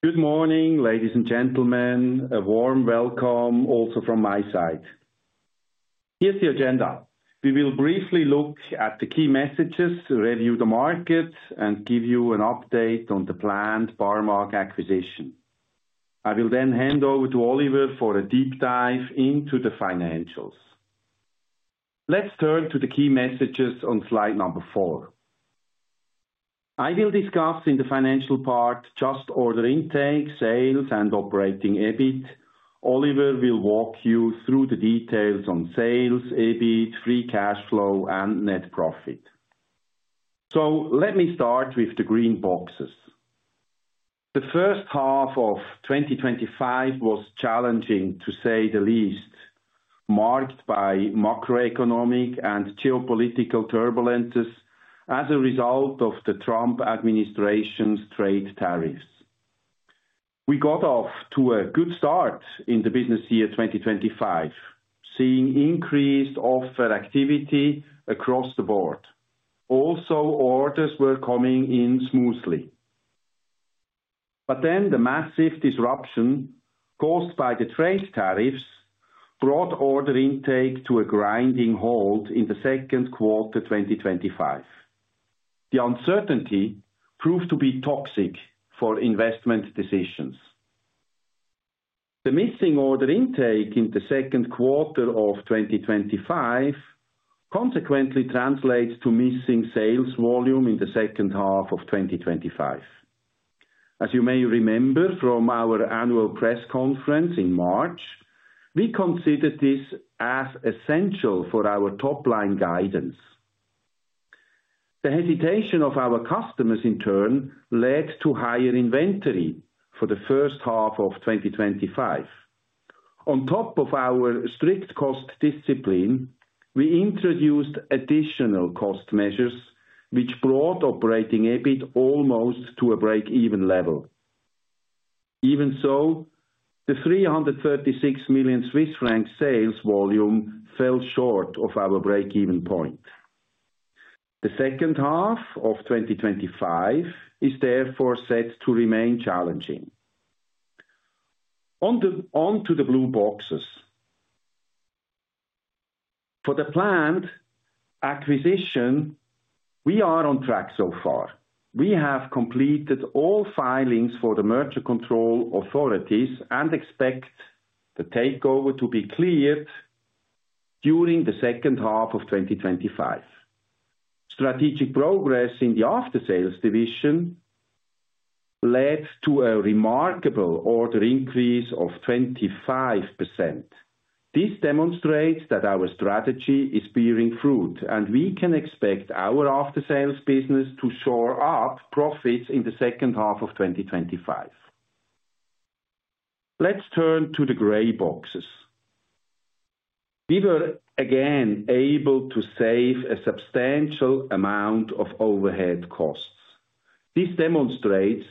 Good morning, ladies and gentlemen. A warm welcome also from my side. Here's the agenda. We will briefly look at the key messages, review the market, and give you an update on the planned Oerlikon Barmag AG acquisition. I will then hand over to Oliver for a deep dive into the financials. Let's turn to the key messages on slide number four. I will discuss in the financial part just Order Intake, sales, and Operating EBIT. Oliver will walk you through the details on sales, EBIT, free cash flow, and net profit. Let me start with the green boxes. The first half of 2025 was challenging, to say the least, marked by macroeconomic and geopolitical turbulences as a result of the Trump administration's trade tariffs. We got off to a good start in the business year 2025, seeing increased offer activity across the board. Also, orders were coming in smoothly. The massive disruption caused by the trade tariffs brought Order Intake to a grinding halt in the second quarter of 2025. The uncertainty proved to be toxic for investment decisions. The missing Order Intake in the second quarter of 2025 consequently translates to missing sales volume in the second half of 2025. As you may remember from our annual press conference in March, we considered this as essential for our top-line guidance. The hesitation of our customers, in turn, led to higher inventory for the first half of 2025. On top of our strict cost discipline, we introduced additional cost measures, which brought Operating EBIT almost to a break-even level. Even so, the 336 million Swiss franc sales volume fell short of our break-even point. The second half of 2025 is therefore set to remain challenging. On to the blue boxes. For the planned acquisition, we are on track so far. We have completed all filings for the merger control authorities and expect the takeover to be cleared during the second half of 2025. Strategic progress in the after-sales division led to a remarkable order increase of 25%. This demonstrates that our strategy is bearing fruit, and we can expect our after-sales business to shore up profits in the second half of 2025. Let's turn to the grey boxes. We were again able to save a substantial amount of overhead costs. This demonstrates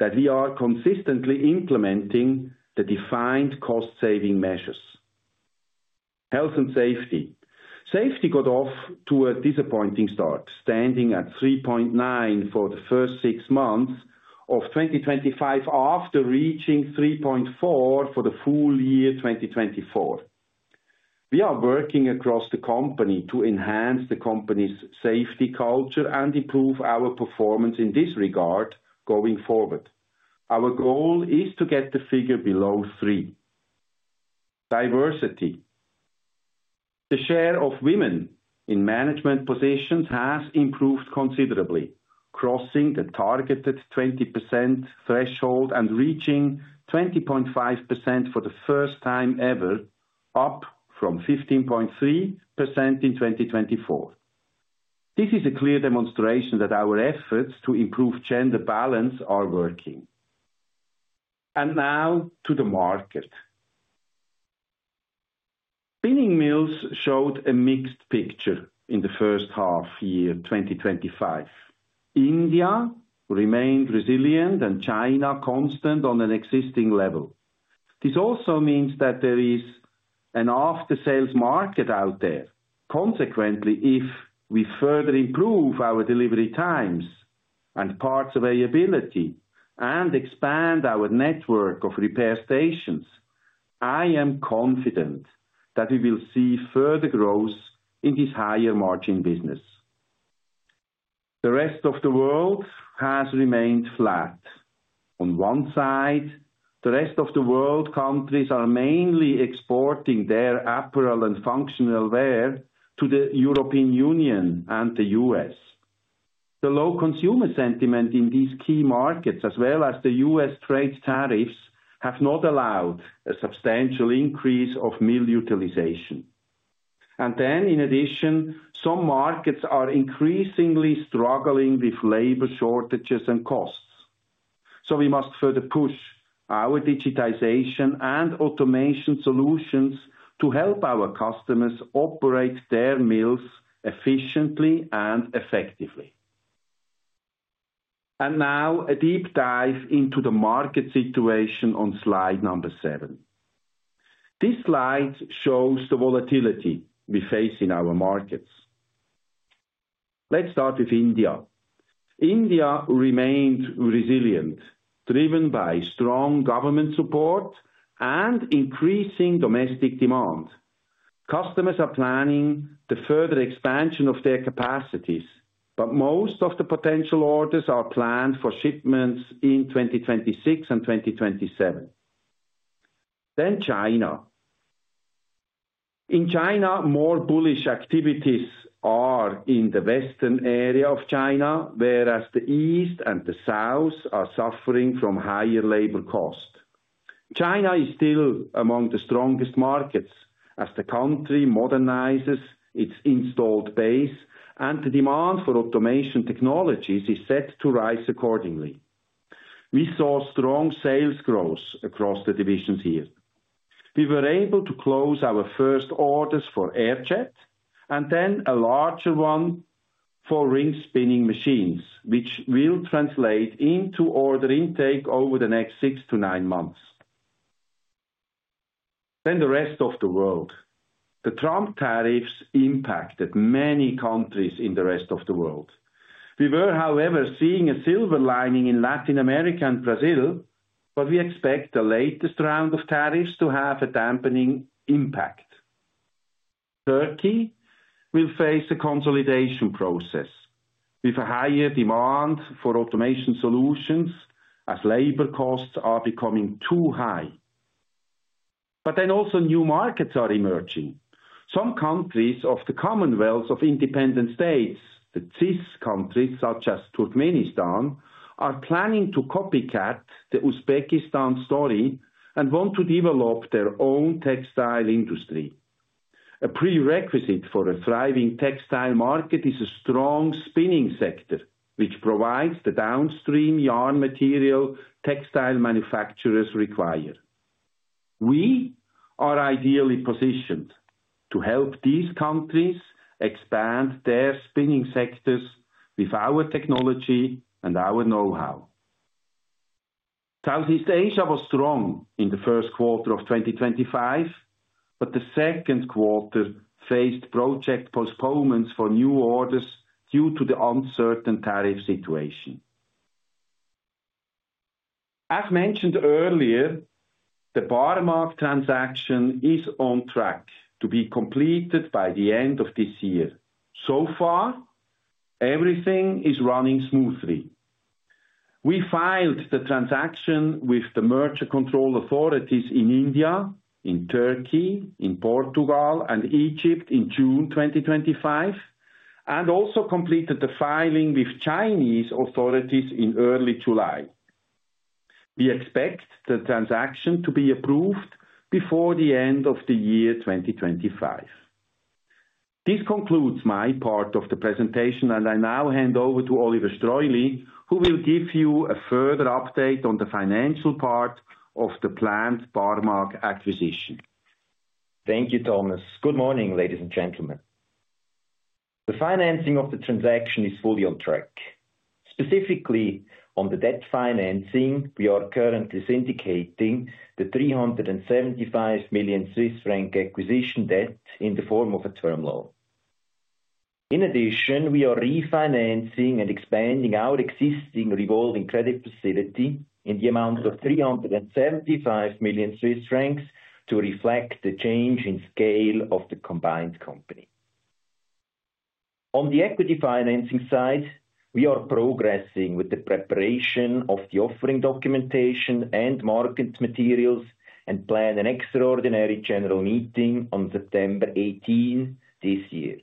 that we are consistently implementing the defined cost-saving measures. Health and safety. Safety got off to a disappointing start, standing at 3.9% for the first six months of 2025, after reaching 3.4% for the full year 2024. We are working across the company to enhance the company's safety culture and improve our performance in this regard going forward. Our goal is to get the figure below 3. Diversity. The share of women in management positions has improved considerably, crossing the targeted 20% threshold and reaching 20.5% for the first time ever, up from 15.3% in 2024. This is a clear demonstration that our efforts to improve gender balance are working. Now to the market. Spinning mills showed a mixed picture in the first half of year 2025. India remained resilient and China constant on an existing level. This also means that there is an after-sales market out there. Consequently, if we further improve our delivery times and parts availability and expand our network of repair stations, I am confident that we will see further growth in this higher margin business. The rest of the world has remained flat. On one side, the rest of the world countries are mainly exporting their apparel and functional wear to the European Union and the U.S. The low consumer sentiment in these key markets, as well as the U.S. trade tariffs, have not allowed a substantial increase of mill utilization. In addition, some markets are increasingly struggling with labor shortages and costs. We must further push our digitization and automation solutions to help our customers operate their mills efficiently and effectively. Now, a deep dive into the market situation on slide number seven. This slide shows the volatility we face in our markets. Let's start with India. India remained resilient, driven by strong government support and increasing domestic demand. Customers are planning the further expansion of their capacities, but most of the potential orders are planned for shipments in 2026 and 2027. Then China. In China, more bullish activities are in the western area of China, whereas the east and the south are suffering from higher labor costs. China is still among the strongest markets as the country modernizes its installed base, and the demand for automation technologies is set to rise accordingly. We saw strong sales growth across the divisions here. We were able to close our first orders for air-jet and then a larger one for ring spinning machines, which will translate into Order Intake over the next six to nine months. The rest of the world. The Trump tariffs impacted many countries in the rest of the world. We were, however, seeing a silver lining in Latin America and Brazil, but we expect the latest round of tariffs to have a dampening impact. Turkey will face a consolidation process with a higher demand for automation solutions as labor costs are becoming too high. New markets are emerging. Some countries of the Commonwealth of Independent States, the CIS countries such as Turkmenistan, are planning to copycat the Uzbekistan story and want to develop their own textile industry. A prerequisite for a thriving textile market is a strong spinning sector, which provides the downstream yarn material textile manufacturers require. We are ideally positioned to help these countries expand their spinning sectors with our technology and our know-how. Southeast Asia was strong in the first quarter of 2025, but the second quarter faced project postponements for new orders due to the uncertain tariff situation. As mentioned earlier, the Oerlikon Barmag AG transaction is on track to be completed by the end of this year. So far everything is running smoothly. We filed the transaction with the merger control authorities in India, in Turkey, in Portugal, and Egypt in June 2025, and also completed the filing with Chinese authorities in early July. We expect the transaction to be approved before the end of the year 2025. This concludes my part of the presentation, and I now hand over to Oliver Streuli, who will give you a further update on the financial part of the planned Oerlikon Barmag AG acquisition. Thank you, Thomas. Good morning, ladies and gentlemen. The financing of the transaction is fully on track. Specifically, on the debt financing, we are currently syndicating the 375 million Swiss franc acquisition debt in the form of a term loan. In addition, we are refinancing and expanding our existing revolving credit facility in the amount of 375 million Swiss francs to reflect the change in scale of the combined company. On the equity financing side, we are progressing with the preparation of the offering documentation and market materials and plan an extraordinary general meeting on September 18 this year.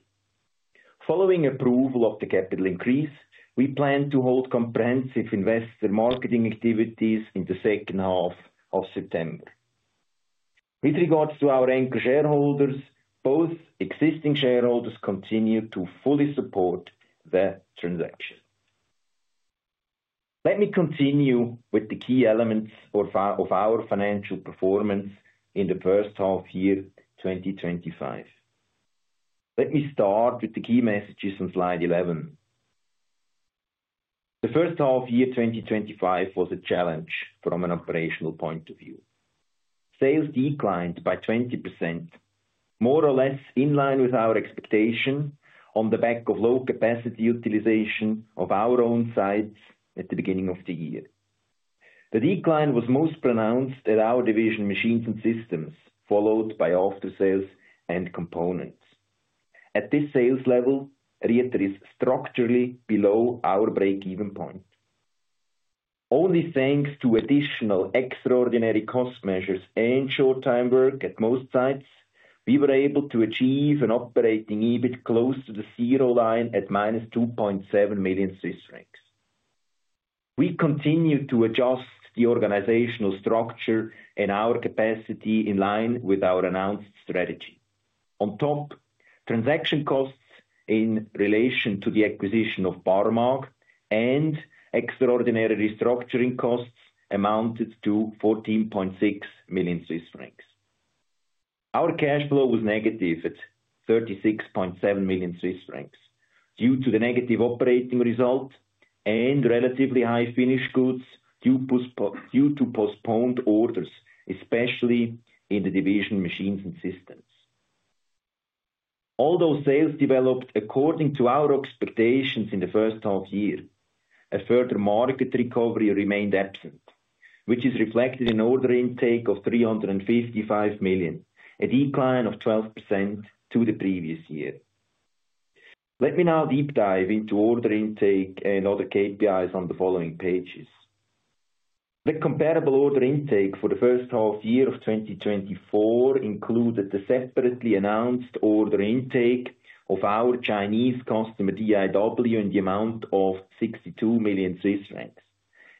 Following approval of the capital increase, we plan to hold comprehensive investor marketing activities in the second half of September. With regards to our anchor shareholders, both existing shareholders continue to fully support the transaction. Let me continue with the key elements of our financial performance in the first half of year 2025. Let me start with the key messages on slide 11. The first half of year 2025 was a challenge from an operational point of view. Sales declined by 20%, more or less in line with our expectation on the back of low capacity utilization of our own sites at the beginning of the year. The decline was most pronounced at our division, machines and systems, followed by after-sales and components. At this sales level, Rieter is structurally below our break-even point. Only thanks to additional extraordinary cost measures and short-time work at most sites, we were able to achieve an Operating EBIT close to the zero line at minus 2.7 million Swiss francs. We continue to adjust the organizational structure and our capacity in line with our announced strategy. On top, transaction costs in relation to the acquisition of Oerlikon Barmag AG and extraordinary restructuring costs amounted to 14.6 million Swiss francs. Our cash flow was negative at 36.7 million Swiss francs due to the negative operating result and relatively high finished goods due to postponed orders, especially in the division, machines and systems. Although sales developed according to our expectations in the first half of year, a further market recovery remained absent, which is reflected in Order Intake of 355 million, a decline of 12% to the previous year. Let me now deep dive into Order Intake and other KPIs on the following pages. The comparable Order Intake for the first half of year of 2024 included the separately announced Order Intake of our Chinese customer, DIW, in the amount of 62 million Swiss francs.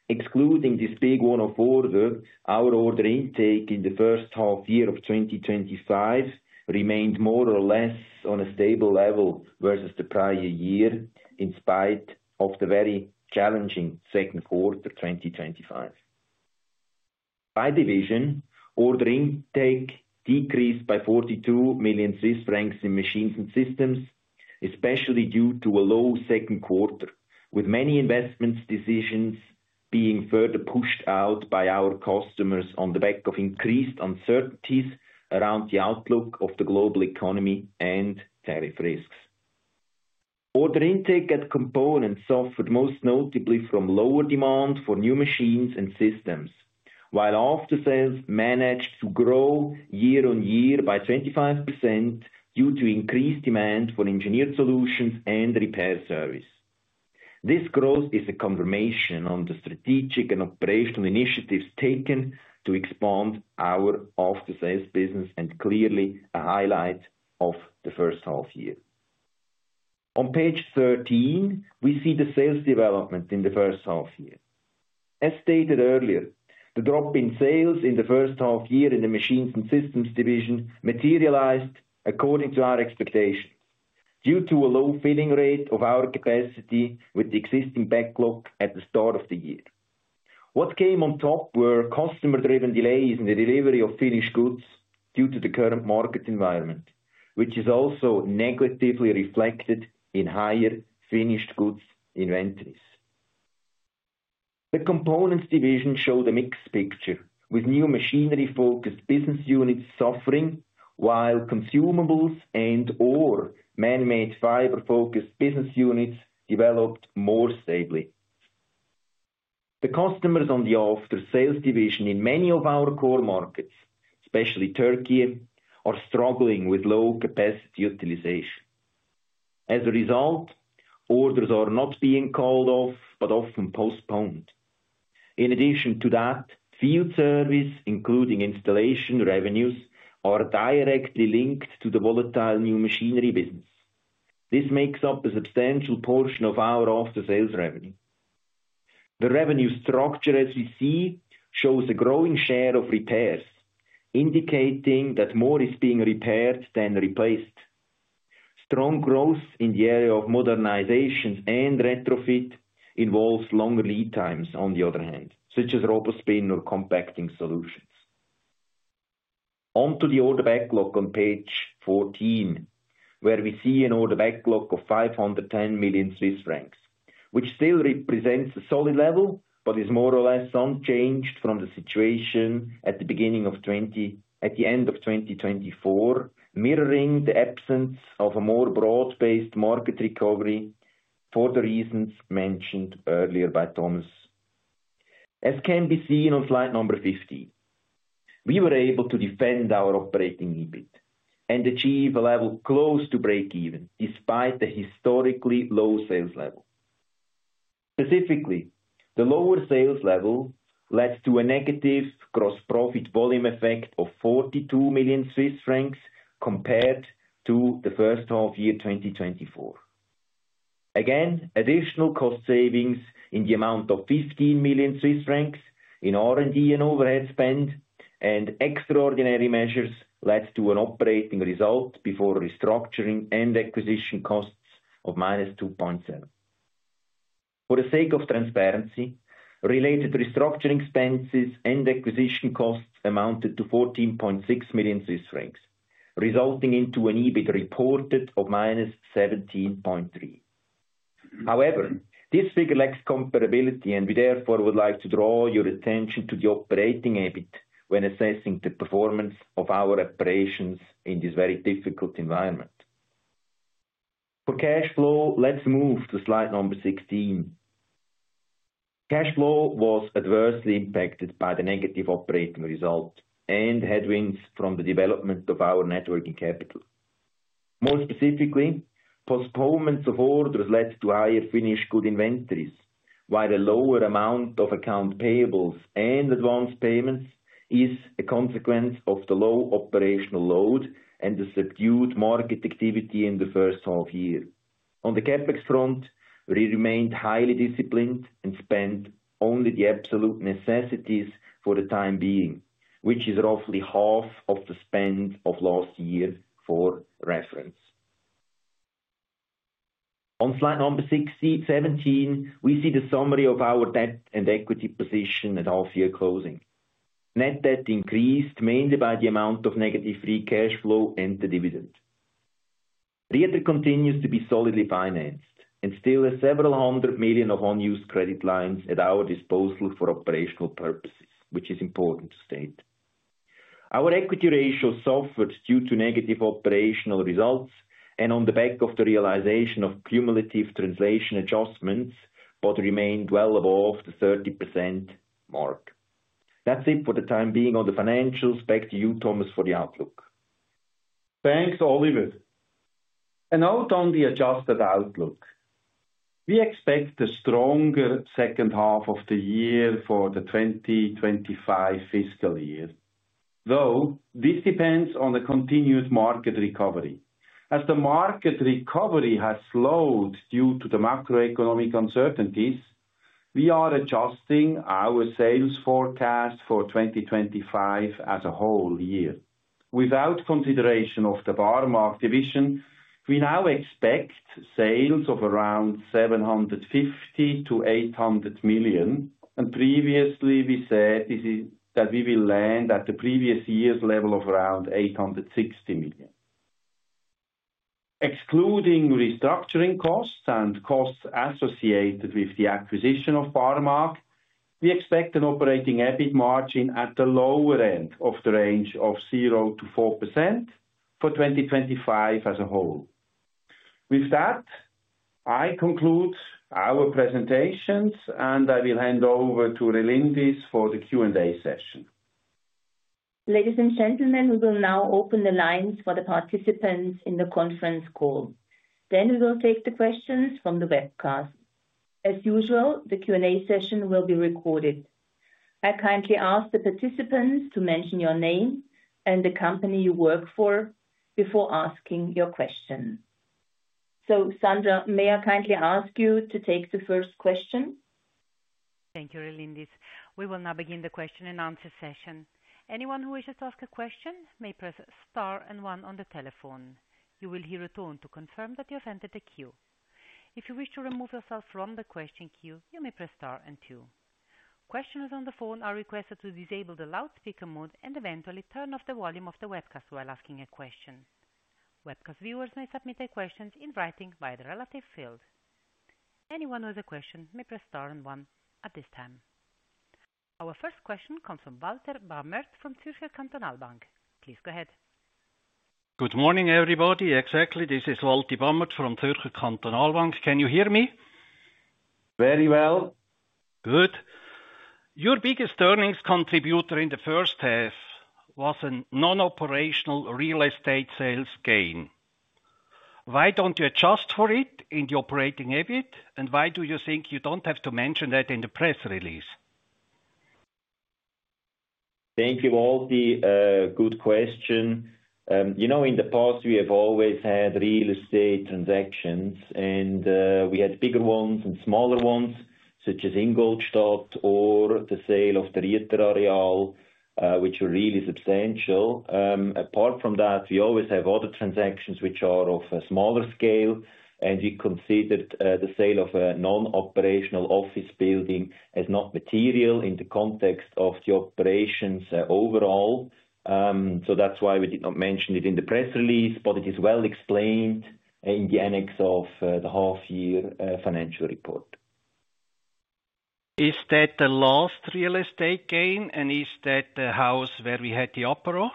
Excluding this big one-off order, our Order Intake in the first half of year of 2025 remained more or less on a stable level versus the prior year, in spite of the very challenging second quarter of 2025. By division, Order Intake decreased by 42 million Swiss francs in machines and systems, especially due to a low second quarter, with many investment decisions being further pushed out by our customers on the back of increased uncertainties around the outlook of the global economy and tariff risks. Order Intake at components suffered most notably from lower demand for new machines and systems, while after-sales managed to grow year-on-year by 25% due to increased demand for engineered solutions and repair services. This growth is a confirmation on the strategic and operational initiatives taken to expand our after-sales business and clearly a highlight of the first half of year. On page 13, we see the sales development in the first half of year. As stated earlier, the drop in sales in the first half of year in the machines and systems division materialized according to our expectations due to a low filling rate of our capacity with the existing backlog at the start of the year. What came on top were customer-driven delays in the delivery of finished goods due to the current market environment, which is also negatively reflected in higher finished goods inventories. The components division showed a mixed picture, with new machinery-focused business units suffering, while consumables and/or man-made fiber-focused business units developed more stably. The customers on the after-sales division in many of our core markets, especially Turkey, are struggling with low capacity utilization. As a result, orders are not being called off, but often postponed. In addition to that, field service, including installation revenues, are directly linked to the volatile new machinery business. This makes up a substantial portion of our after-sales revenue. The revenue structure, as we see, shows a growing share of repairs, indicating that more is being repaired than replaced. Strong growth in the area of modernizations and retrofit involves longer lead times, on the other hand, such as RoboSpin or compacting solutions. On to the order backlog on page 14, where we see an order backlog of 510 million Swiss francs, which still represents a solid level, but is more or less unchanged from the situation at the beginning of 2020, at the end of 2024, mirroring the absence of a more broad-based market recovery for the reasons mentioned earlier by Thomas. As can be seen on slide number 50, we were able to defend our Operating EBIT and achieve a level close to break-even, despite the historically low sales level. Specifically, the lower sales level led to a negative gross profit volume effect of 42 million Swiss francs compared to the first half of year 2024. Again, additional cost savings in the amount of 15 million Swiss francs in R&D and overhead spend, and extraordinary measures led to an operating result before restructuring and acquisition costs of -2.7%. For the sake of transparency, related restructuring expenses and acquisition costs amounted to 14.6 million Swiss francs, resulting in an EBIT reported of -17.3%. However, this figure lacks comparability, and we therefore would like to draw your attention to the Operating EBIT when assessing the performance of our operations in this very difficult environment. For cash flow, let's move to slide number 16. Cash flow was adversely impacted by the negative operating result and headwinds from the development of our net working capital. More specifically, postponements of orders led to higher finished goods inventories, while a lower amount of accounts payables and advance payments is a consequence of the low operational load and the subdued market activity in the first half of year. On the CapEx front, we remained highly disciplined and spent only the absolute necessities for the time being, which is roughly half of the spend of last year for reference. On slide number 17, we see the summary of our debt and equity position at half-year closing. Net debt increased mainly by the amount of negative free cash flow and the dividend. Rieter continues to be solidly financed and still has several hundred million of unused credit lines at our disposal for operational purposes, which is important to state. Our equity ratio suffered due to negative operational results and on the back of the realization of cumulative translation adjustments, but remained well above the 30% mark. That's it for the time being on the financials. Back to you, Thomas, for the outlook. Thanks, Oliver. On the adjusted outlook, we expect a stronger second half of the year for the 2025 fiscal year, though this depends on a continued market recovery. As the market recovery has slowed due to the macroeconomics uncertainties, we are adjusting our sales forecast for 2025 as a whole year. Without consideration of the Oerlikon Barmag AG division, we now expect sales of around 750 to 800 million, and previously we said that we will land at the previous year's level of around 860 million. Excluding restructuring costs and costs associated with the acquisition of Oerlikon Barmag AG, we expect an Operating EBIT margin at the lower end of the range of 0 to 4% for 2025 as a whole. With that, I conclude our presentations, and I will hand over to Relindis for the Q&A session. Ladies and gentlemen, we will now open the lines for the participants in the conference call. We will take the questions from the webcast. As usual, the Q&A session will be recorded. I kindly ask the participants to mention your name and the company you work for before asking your question. Sandra, may I kindly ask you to take the first question? Thank you, Relindis. We will now begin the question and answer session. Anyone who wishes to ask a question may press star and one on the telephone. You will hear a tone to confirm that you have entered the queue. If you wish to remove yourself from the question queue, you may press star and two. Questioners on the phone are requested to disable the loudspeaker mode and eventually turn off the volume of the webcast while asking a question. Webcast viewers may submit their questions in writing via the relative field. Anyone who has a question may press star and one at this time. Our first question comes from Walter Baumert from Zürcher Kantonalbank. Please go ahead. Good morning, everybody. Exactly, this is Walter Baumert from Zürcher Kantonalbank. Can you hear me? Very well. Good. Your biggest earnings contributor in the first half was a non-operational real estate sales gain. Why don't you adjust for it in the Operating EBIT, and why do you think you don't have to mention that in the press release? Thank you all. Good question. You know, in the past, we have always had real estate transactions, and we had bigger ones and smaller ones, such as Ingolstadt or the sale of the Rieter area, which were really substantial. Apart from that, we always have other transactions which are of a smaller scale, and we considered the sale of a non-operational office building as not material in the context of the operations overall. That is why we did not mention it in the press release, but it is well explained in the annex of the half-year financial report. Is that the last real estate gain, and is that the house where we had the opera?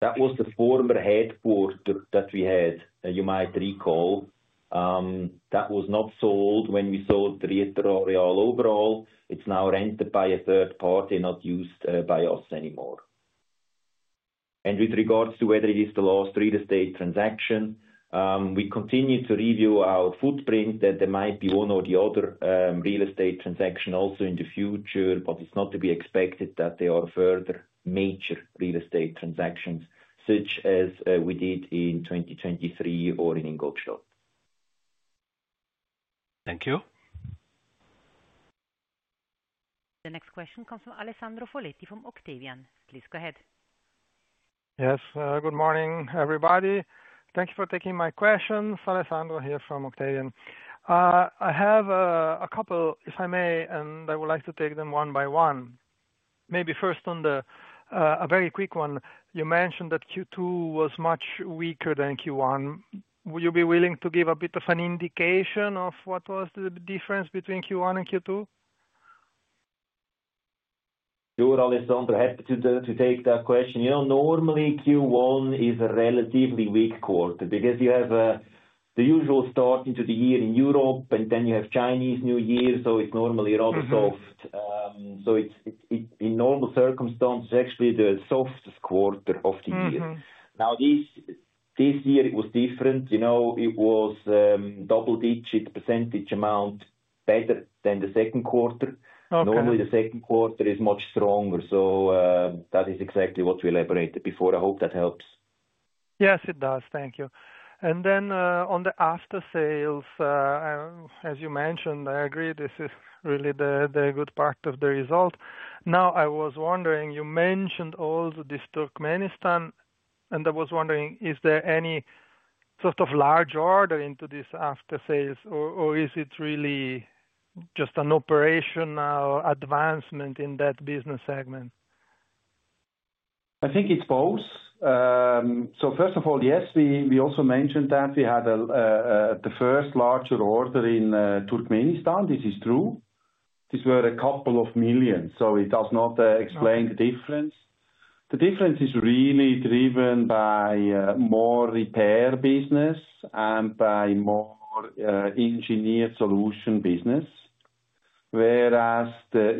That was the former headquarters that we had, you might recall. That was not sold when we sold the Rieter area overall. It's now rented by a third party, not used by us anymore. With regards to whether it is the last real estate transaction, we continue to review our footprint. There might be one or the other real estate transaction also in the future, but it's not to be expected that there are further major real estate transactions, such as we did in 2023 or in Ingolstadt. Thank you. The next question comes from Alessandro Foletti from Octavian. Please go ahead. Yes, good morning, everybody. Thank you for taking my questions. Alessandro here from Octavian. I have a couple, if I may, and I would like to take them one by one. Maybe first on a very quick one. You mentioned that Q2 was much weaker than Q1. Would you be willing to give a bit of an indication of what was the difference between Q1 and Q2? I would always be happy to take that question. Normally, Q1 is a relatively weak quarter because you have the usual start into the year in Europe, and then you have Chinese New Year, so it's normally rather soft. In normal circumstances, it's actually the softest quarter of the year. This year it was different. It was a double-digit % amount better than the second quarter. Normally, the second quarter is much stronger. That is exactly what we elaborated before. I hope that helps. Yes, it does. Thank you. On the after-sales, as you mentioned, I agree this is really the good part of the result. I was wondering, you mentioned also this Turkmenistan, and I was wondering, is there any sort of large order into this after-sales, or is it really just an operational advancement in that business segment? I think it's both. First of all, yes, we also mentioned that we had the first larger order in Turkmenistan. This is true. These were a couple of millions, so it does not explain the difference. The difference is really driven by a more repair business and by a more engineered solution business, whereas the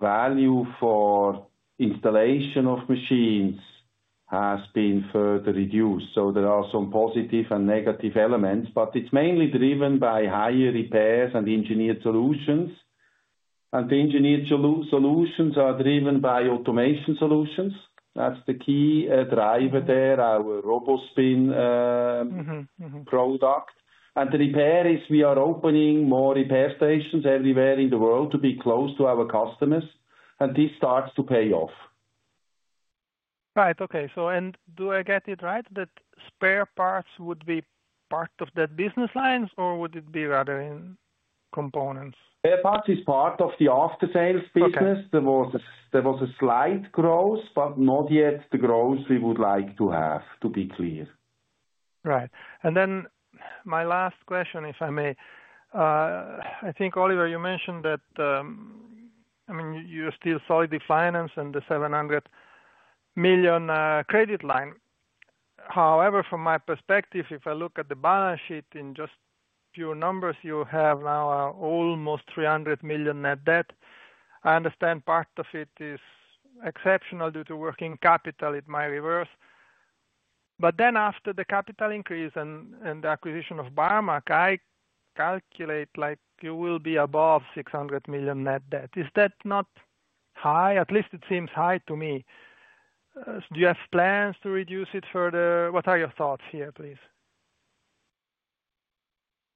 value for installation of machines has been further reduced. There are some positive and negative elements, but it's mainly driven by higher repairs and engineered solutions. The engineered solutions are driven by automation solutions. That's the key driver there, our RoboSpin product. The repair is we are opening more repair stations everywhere in the world to be close to our customers, and this starts to pay off. Right, okay. Do I get it right that spare parts would be part of that business line, or would it be rather in components? Spare parts is part of the after-sales division. There was a slight growth, but not yet the growth we would like to have, to be clear. Right. My last question, if I may. I think, Oliver, you mentioned that, I mean, you're still solidly financed in the $700 million credit line. However, from my perspective, if I look at the balance sheet in just pure numbers, you have now almost $300 million net debt. I understand part of it is exceptional due to working capital in my reverse. After the capital increase and the acquisition of Oerlikon Barmag AG, I calculate like you will be above $600 million net debt. Is that not high? At least it seems high to me. Do you have plans to reduce it further? What are your thoughts here, please?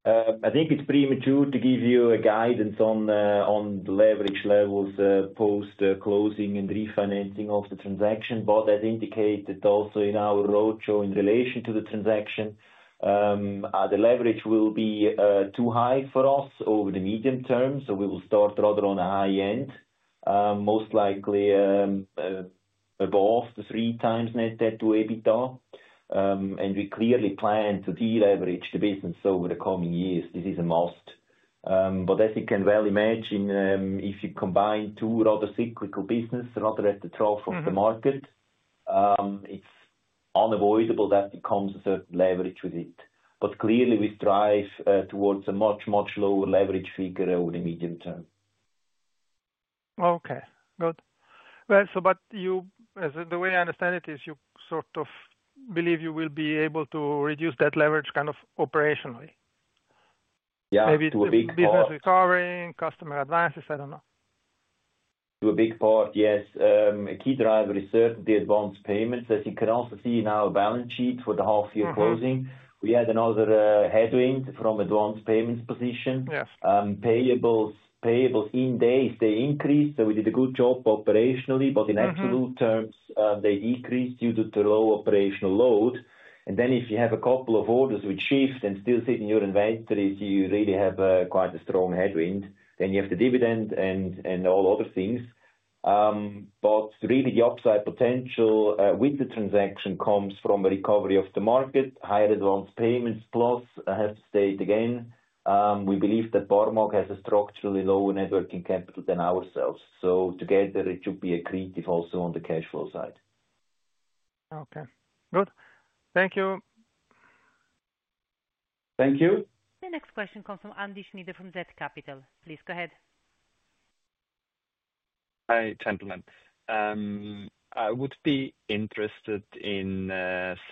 I think it's premature to give you a guidance on the leverage levels post-closing and refinancing of the transaction. As indicated also in our roadshow in relation to the transaction, the leverage will be too high for us over the medium term. We will start rather on a high end, most likely above the three times net debt to EBITDA. We clearly plan to deleverage the business over the coming years. This is a must. As you can well imagine, if you combine two rather cyclical businesses rather at the trough of the market, it's unavoidable that it becomes a certain leverage with it. We clearly strive towards a much, much lower leverage figure over the medium term. Okay good, as the way I understand it, is you sort of believe you will be able to reduce that leverage kind of operationally. Yeah, to a big part. Maybe it's business recovery, customer advances. I don't know. To a big part, yes. A key driver is certainly advanced payments. As you can also see in our balance sheet for the half-year closing, we had another headwind from advanced payments position. Yes. Payables in days, they increased. We did a good job operationally, but in absolute terms, they decreased due to the low operational load. If you have a couple of orders which shift and still sit in your inventories, you really have quite a strong headwind. You have the dividend and all other things. The upside potential with the transaction comes from a recovery of the market, higher advanced payments. I have to state again, we believe that Oerlikon Barmag AG has a structurally lower net working capital than ourselves. Together, it should be accretive also on the cash flow side. Okay, good. Thank you. Thank you. The next question comes from Andy Schmider from Zest Capital. Please go ahead. Hi, gentlemen. I would be interested in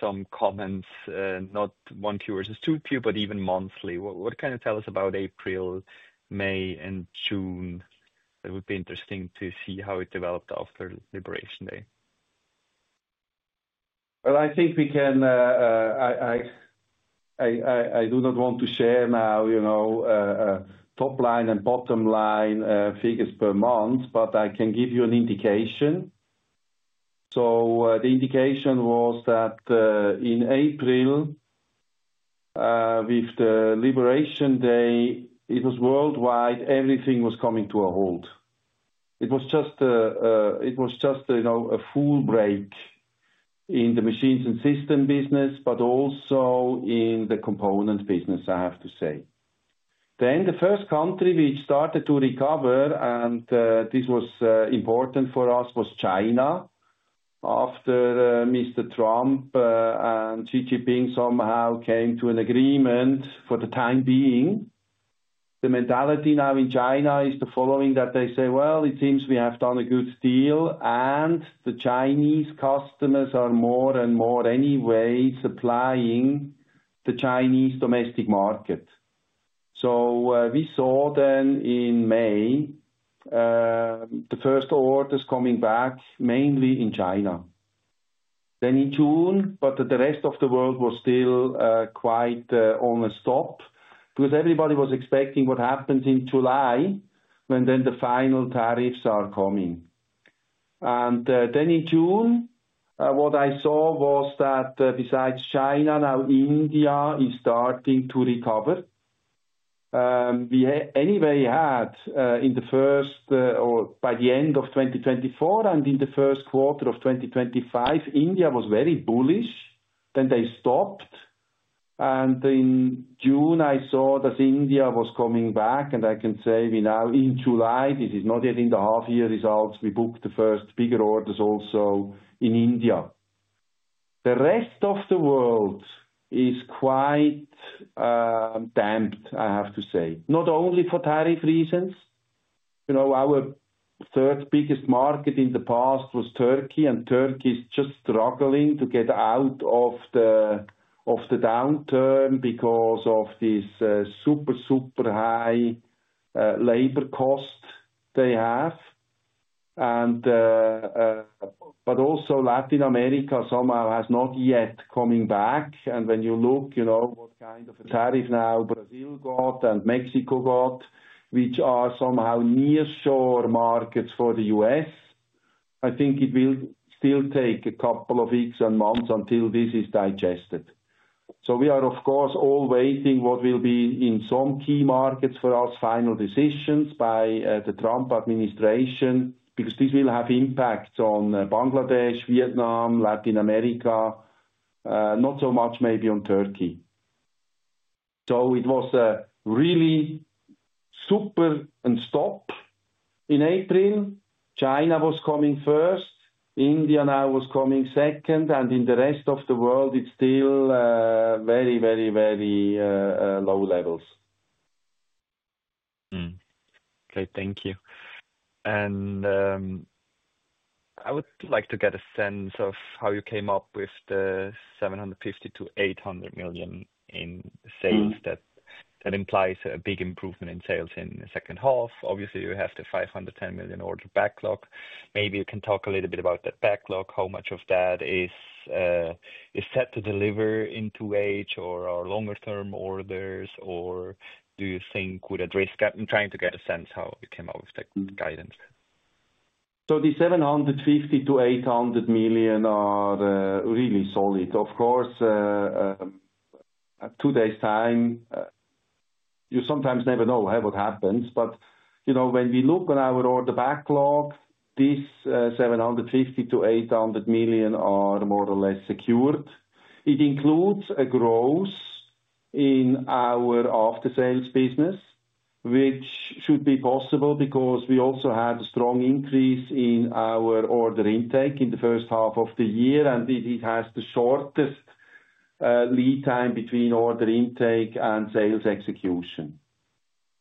some comments, not one-Q versus two-Q, but even monthly. What can you tell us about April, May, and June? It would be interesting to see how it developed after Liberation Day. I do not want to share now, you know, top line and bottom line figures per month, but I can give you an indication. The indication was that in April, with the Liberation Day, it was worldwide, everything was coming to a halt. It was just a full break in the machines and systems business, but also in the component business, I have to say. The first country which started to recover, and this was important for us, was China. After Mr. Trump and Xi Jinping somehow came to an agreement for the time being, the mentality now in China is the following: that they say, it seems we have done a good deal, and the Chinese customers are more and more anyway supplying the Chinese domestic market. We saw then in May the first orders coming back, mainly in China. In June, the rest of the world was still quite on a stop because everybody was expecting what happens in July, when the final tariffs are coming. In June, what I saw was that besides China, now India is starting to recover. We anyway had in the first or by the end of 2024 and in the first quarter of 2025, India was very bullish. Then they stopped. In June, I saw that India was coming back, and I can say now in July, this is not yet in the half-year results, we booked the first bigger orders also in India. The rest of the world is quite damped, I have to say, not only for tariff reasons. You know, our third biggest market in the past was Turkey, and Turkey is just struggling to get out of the downturn because of this super, super high labor cost they have. Also, Latin America somehow has not yet come back. When you look, you know what kind of tariff now Brazil got and Mexico got, which are somehow near-shore markets for the U.S., I think it will still take a couple of weeks and months until this is digested. We are, of course, all waiting what will be in some key markets for us final decisions by the Trump administration, because this will have impacts on Bangladesh, Vietnam, Latin America, not so much maybe on Turkey. It was a really super stop in April. China was coming first. India now was coming second. In the rest of the world, it's still very, very, very low levels. Thank you. I would like to get a sense of how you came up with the $750 to $800 million in sales. That implies a big improvement in sales in the second half. Obviously, you have the $510 million order backlog. Maybe you can talk a little bit about that backlog. How much of that is set to deliver into wage or longer-term orders? Do you think would address? I'm trying to get a sense of how we came up with the guidance. The 750 to 800 million are really solid. Of course, at today's time, you sometimes never know what happens. When we look at our order backlog, these 750 to 800 million are more or less secured. It includes a growth in our after-sales business, which should be possible because we also had a strong increase in our Order Intake in the first half of the year. It has the shortest lead time between Order Intake and sales execution.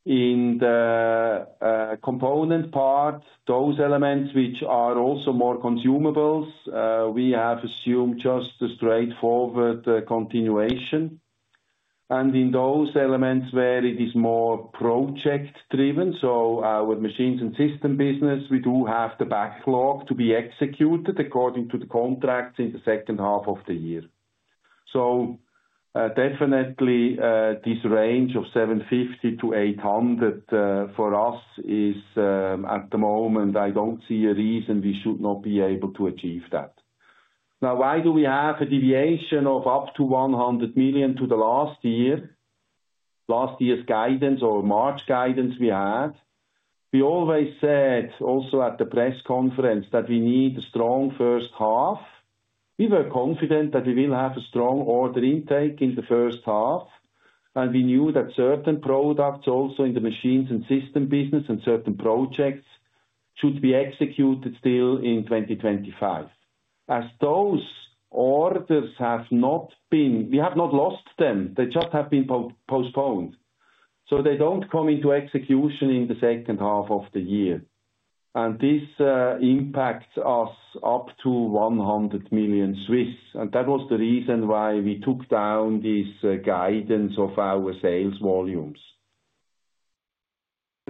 In the component part, those elements which are also more consumables, we have assumed just a straightforward continuation. In those elements where it is more project-driven, so our machines and systems business, we do have the backlog to be executed according to the contracts in the second half of the year. This range of 750 to 800 for us is, at the moment, I don't see a reason we should not be able to achieve that. Now, why do we have a deviation of up to 100 million to the last year? Last year's guidance or March guidance we had, we always said also at the press conference that we need a strong first half. We were confident that we will have a strong Order Intake in the first half. We knew that certain products also in the machines and systems business and certain projects should be executed still in 2025. As those orders have not been, we have not lost them. They just have been postponed. They don't come into execution in the second half of the year. This impacts us up to 100 million Swiss. That was the reason why we took down this guidance of our sales volumes.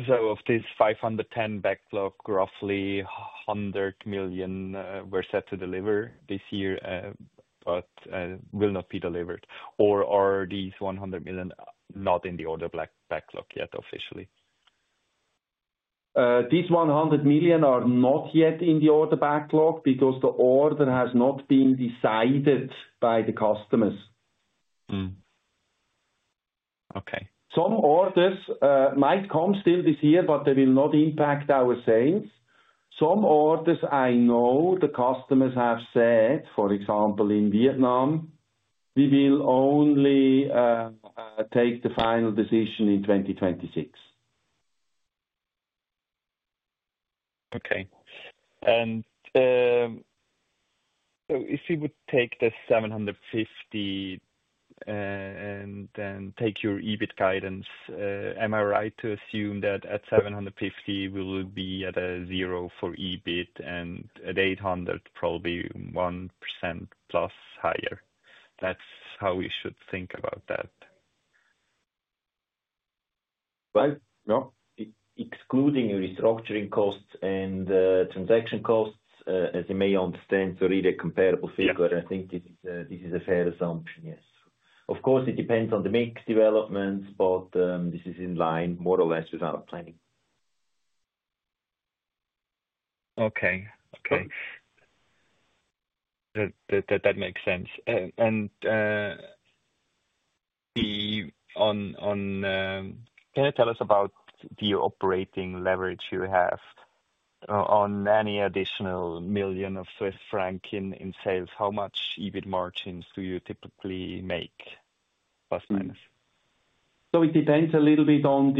Of this $510 million backlog, roughly $100 million were set to deliver this year, but will not be delivered. Or are these $100 million not in the order backlog yet officially? These $100 million are not yet in the order backlog because the order has not been decided by the customers. Okay. Some orders might come still this year, but they will not impact our sales. Some orders I know the customers have said, for example, in Vietnam, we will only take the final decision in 2026. Okay. If you would take the 750 and then take your EBIT guidance, am I right to assume that at 750 we will be at a zero for EBIT and at 800 probably 1% plus higher? That's how we should think about that. Excluding your restructuring costs and transaction costs, as you may understand, it's really a comparable figure. I think this is a fair assumption, yes. Of course, it depends on the mixed developments, but this is in line more or less with our planning. Okay. That makes sense. Can you tell us about the operating leverage you have on any additional million of Swiss francs in sales? How much EBIT margins do you typically make, plus minus? It depends a little bit on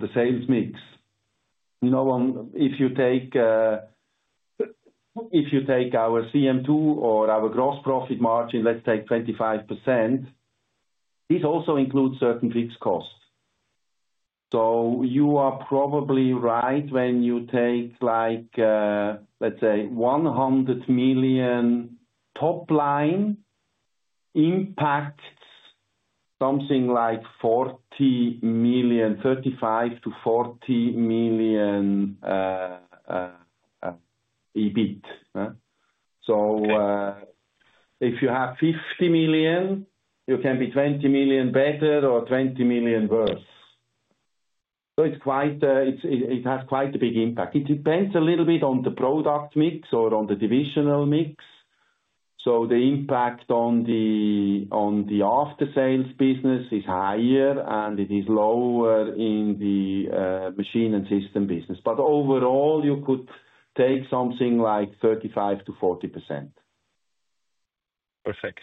the sales mix. You know, if you take our CM2 or our gross profit margin, let's take 25%, this also includes certain fixed costs. You are probably right when you take, let's say, $100 million top line impacts something like $40 million, $35 to $40 million EBIT. If you have $50 million, you can be $20 million better or $20 million worse. It has quite a big impact. It depends a little bit on the product mix or on the divisional mix. The impact on the after-sales division is higher and it is lower in the machine and systems business. Overall, you could take something like 35 to 40%. Perfect.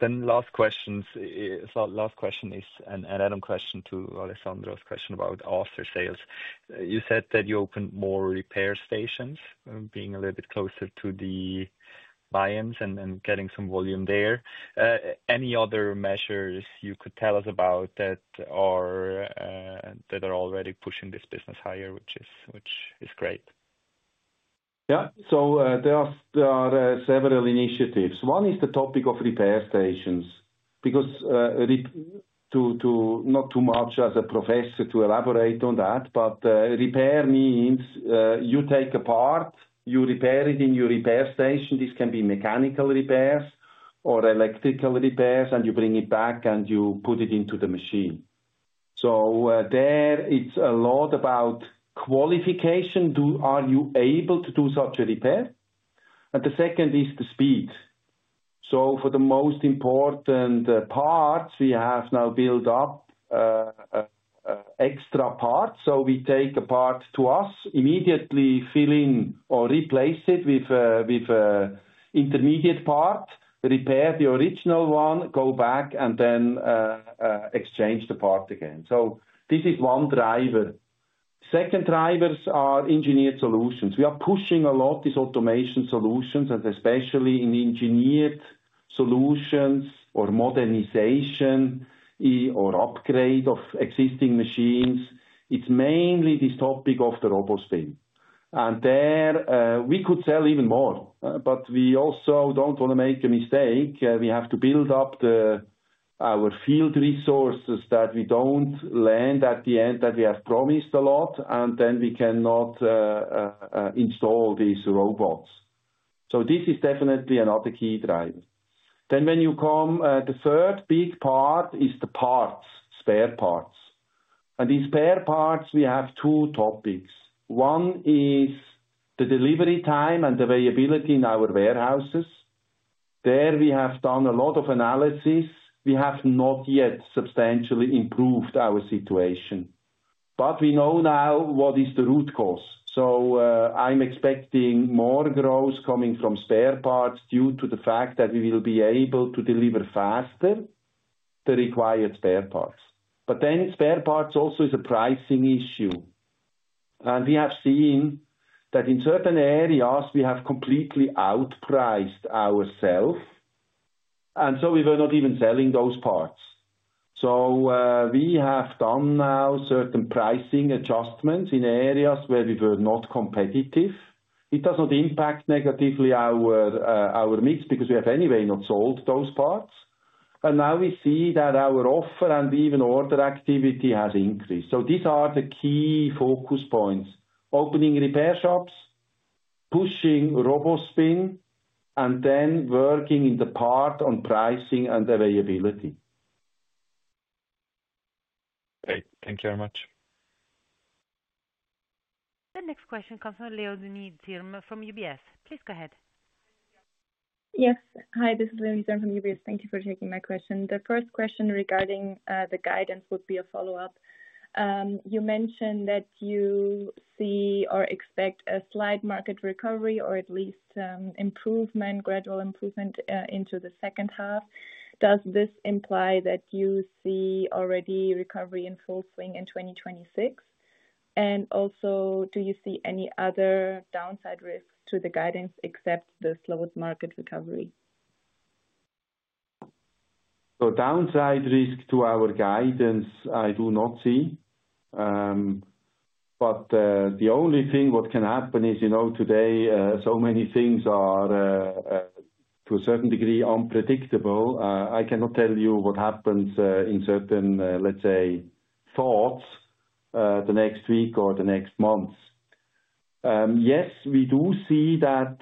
Last question is an add-on question to Alessandro's question about after-sales. You said that you opened more repair stations, being a little bit closer to the buy-ins and getting some volume there. Any other measures you could tell us about that are already pushing this business higher, which is great? Yeah, so there are several initiatives. One is the topic of repair stations, because not too much as a professor to elaborate on that, but repair means you take a part, you repair it in your repair station. This can be mechanical repairs or electrical repairs, and you bring it back and you put it into the machine. There, it's a lot about qualification. Are you able to do such a repair? The second is the speed. For the most important parts, we have now built up extra parts. We take a part to us, immediately fill in or replace it with an intermediate part, repair the original one, go back, and then exchange the part again. This is one driver. Second drivers are engineered solutions. We are pushing a lot of these automation solutions, and especially in engineered solutions or modernization or upgrade of existing machines, it's mainly this topic of the RoboSpin. There, we could sell even more, but we also don't want to make a mistake. We have to build up our field resources that we don't land at the end that we have promised a lot, and then we cannot install these robots. This is definitely another key driver. When you come, the third big part is the parts, spare parts. In spare parts, we have two topics. One is the delivery time and availability in our warehouses. There, we have done a lot of analysis. We have not yet substantially improved our situation, but we know now what is the root cause. I'm expecting more growth coming from spare parts due to the fact that we will be able to deliver faster the required spare parts. Spare parts also is a pricing issue. We have seen that in certain areas, we have completely outpriced ourselves, and we were not even selling those parts. We have done now certain pricing adjustments in areas where we were not competitive. It does not impact negatively our midst because we have anyway not sold those parts. Now we see that our offer and even order activity has increased. These are the key focus points: opening repair shops, pushing RoboSpin, and then working in the part on pricing and availability. Great. Thank you very much. The next question comes from Leonid from UBS. Please go ahead. Yes. Hi, this is Leonid from UBS. Thank you for taking my question. The first question regarding the guidance would be a follow-up. You mentioned that you see or expect a slight market recovery or at least gradual improvement into the second half. Does this imply that you see already recovery in full swing in 2026? Also, do you see any other downside risk to the guidance except the slowed market recovery? Downside risk to our guidance, I do not see. The only thing that can happen is, you know, today so many things are to a certain degree unpredictable. I cannot tell you what happens in certain, let's say, thoughts the next week or the next month. Yes, we do see that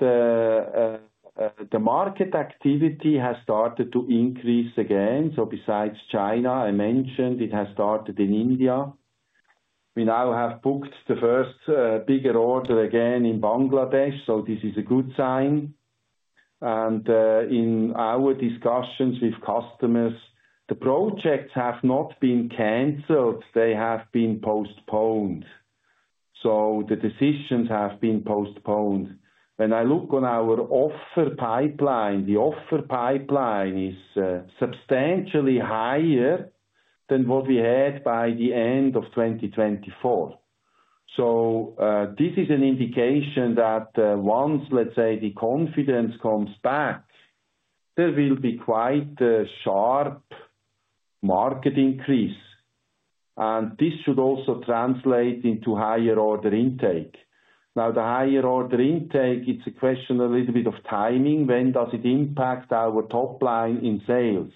the market activity has started to increase again. Besides China, I mentioned it has started in India. We now have booked the first bigger order again in Bangladesh. This is a good sign. In our discussions with customers, the projects have not been canceled. They have been postponed. The decisions have been postponed. When I look on our offer pipeline, the offer pipeline is substantially higher than what we had by the end of 2024. This is an indication that once, let's say, the confidence comes back, there will be quite a sharp market increase. This should also translate into higher Order Intake. Now, the higher Order Intake, it's a question a little bit of timing. When does it impact our top line in sales?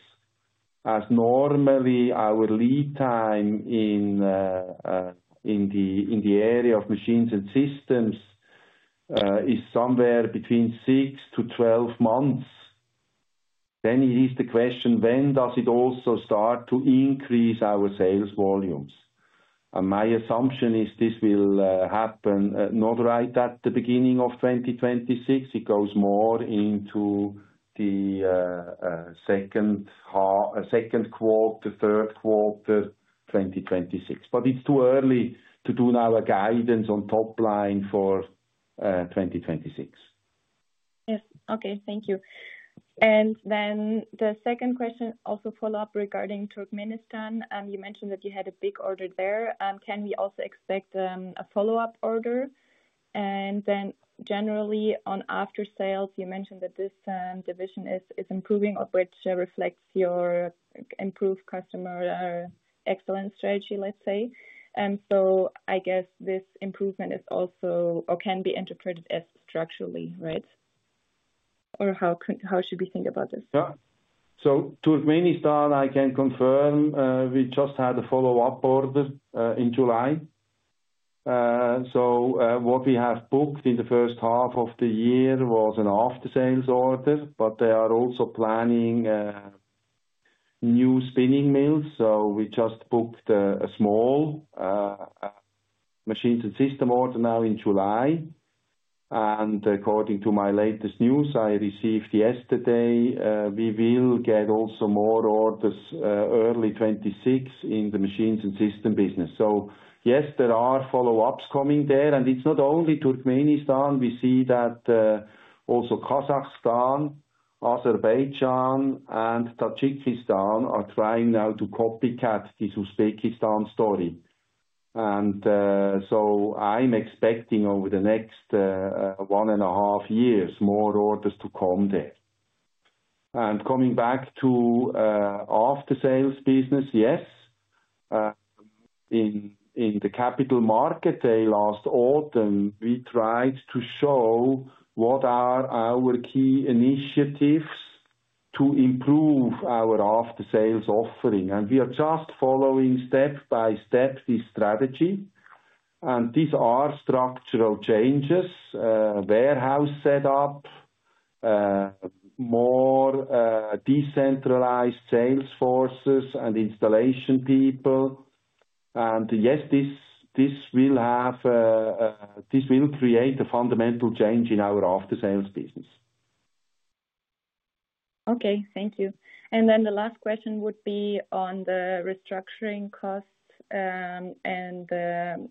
As normally, our lead time in the area of machines and systems is somewhere between 6 to 12 months. It is the question, when does it also start to increase our sales volumes? My assumption is this will happen not right at the beginning of 2026. It goes more into the second quarter, third quarter 2026. It's too early to do now a guidance on top line for 2026. Yes. Okay. Thank you. The second question, also follow-up regarding Turkmenistan. You mentioned that you had a big order there. Can we also expect a follow-up order? Generally on after-sales, you mentioned that this division is improving, which reflects your improved customer excellence strategy, let's say. I guess this improvement is also or can be interpreted as structurally, right? How should we think about this? Yeah. Turkmenistan, I can confirm. We just had a follow-up order in July. What we have booked in the first half of the year was an after-sales order, but they are also planning new spinning mills. We just booked a small machines and system order now in July. According to my latest news I received yesterday, we will get also more orders early 2026 in the machines and systems business. Yes, there are follow-ups coming there. It's not only Turkmenistan. We see that also Kazakhstan, Azerbaijan, and Tajikistan are trying now to copycat this Uzbekistan story. I'm expecting over the next one and a half years more orders to come there. Coming back to after-sales business, yes. In the capital market day last autumn, we tried to show what are our key initiatives to improve our after-sales offering. We are just following step by step this strategy. These are structural changes: warehouse setup, more decentralized sales forces, and installation people. Yes, this will create a fundamental change in our after-sales business. Okay. Thank you. The last question would be on the restructuring costs and the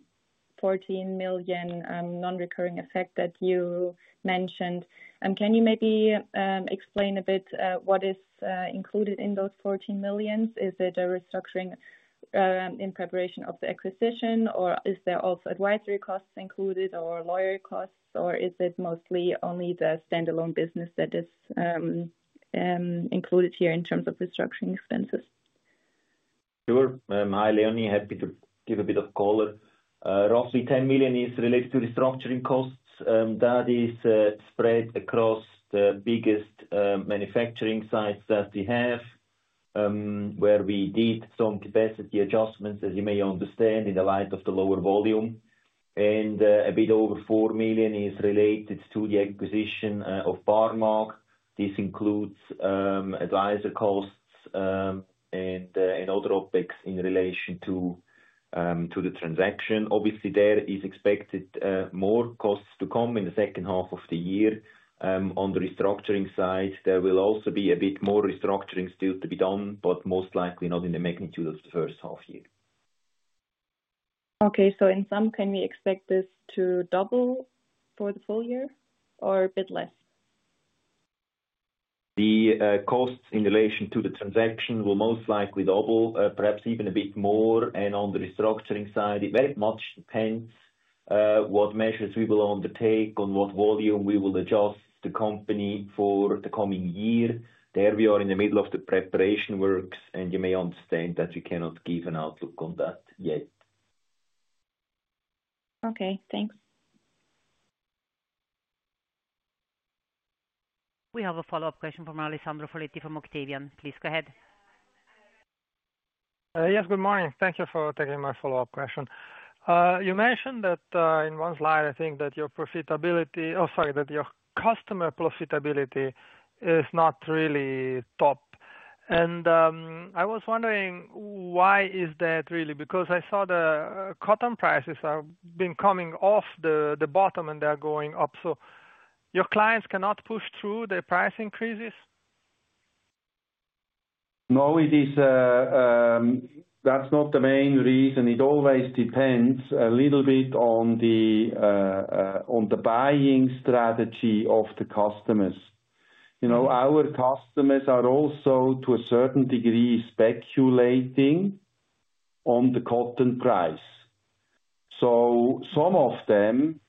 $14 million non-recurring effect that you mentioned. Can you maybe explain a bit what is included in those $14 million? Is it a restructuring in preparation of the acquisition, or is there also advisory costs included or lawyer costs, or is it mostly only the standalone business that is included here in terms of restructuring expenses? Sure. Hi, Leonid. Happy to give a bit of color. Roughly $10 million is related to restructuring costs. That is spread across the biggest manufacturing sites that we have, where we did some capacity adjustments, as you may understand, in the light of the lower volume. A bit over $4 million is related to the acquisition of Oerlikon Barmag AG. This includes advisor costs and other OpEx in relation to the transaction. Obviously, there are expected more costs to come in the second half of the year. On the restructuring side, there will also be a bit more restructuring still to be done, most likely not in the magnitude of the first half year. Okay. In sum, can we expect this to double for the full year or a bit less? The costs in relation to the transaction will most likely double, perhaps even a bit more. On the restructuring side, it very much depends what measures we will undertake, on what volume we will adjust the company for the coming year. We are in the middle of the preparation works, and you may understand that we cannot give an outlook on that yet. Okay. Thanks. We have a follow-up question from Alessandro Foletti from Octavian. Please go ahead. Yes, good morning. Thank you for taking my follow-up question. You mentioned that in one slide, I think that your profitability, sorry, that your customer profitability is not really top. I was wondering, why is that really? I saw the cotton prices have been coming off the bottom and they're going up. Your clients cannot push through the price increases? No, that's not the main reason. It always depends a little bit on the buying strategy of the customers. You know, our customers are also, to a certain degree, speculating on the cotton price. Some of them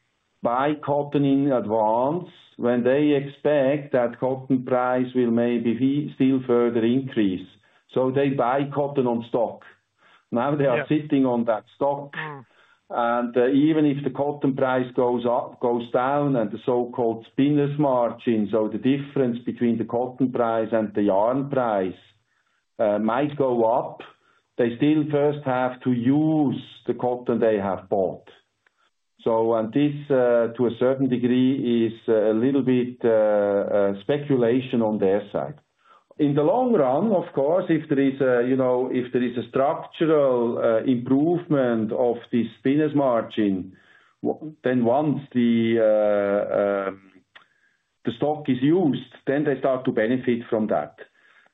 buy cotton in advance when they expect that cotton price will maybe still further increase, so they buy cotton on stock. Now they are sitting on that stock. Even if the cotton price goes down and the so-called spinners margin, so the difference between the cotton price and the yarn price, might go up, they still first have to use the cotton they have bought. To a certain degree, this is a little bit speculation on their side. In the long run, of course, if there is a structural improvement of the spinners margin, then once the stock is used, they start to benefit from that.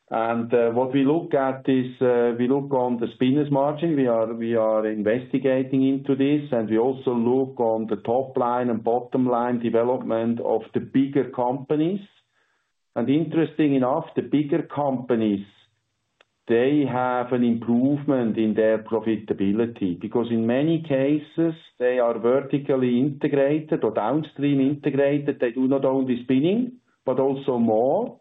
What we look at is we look on the spinners margin. We are investigating into this, and we also look on the top line and bottom line development of the bigger companies. Interestingly enough, the bigger companies have an improvement in their profitability because in many cases, they are vertically integrated or downstream integrated. They do not only spinning, but also more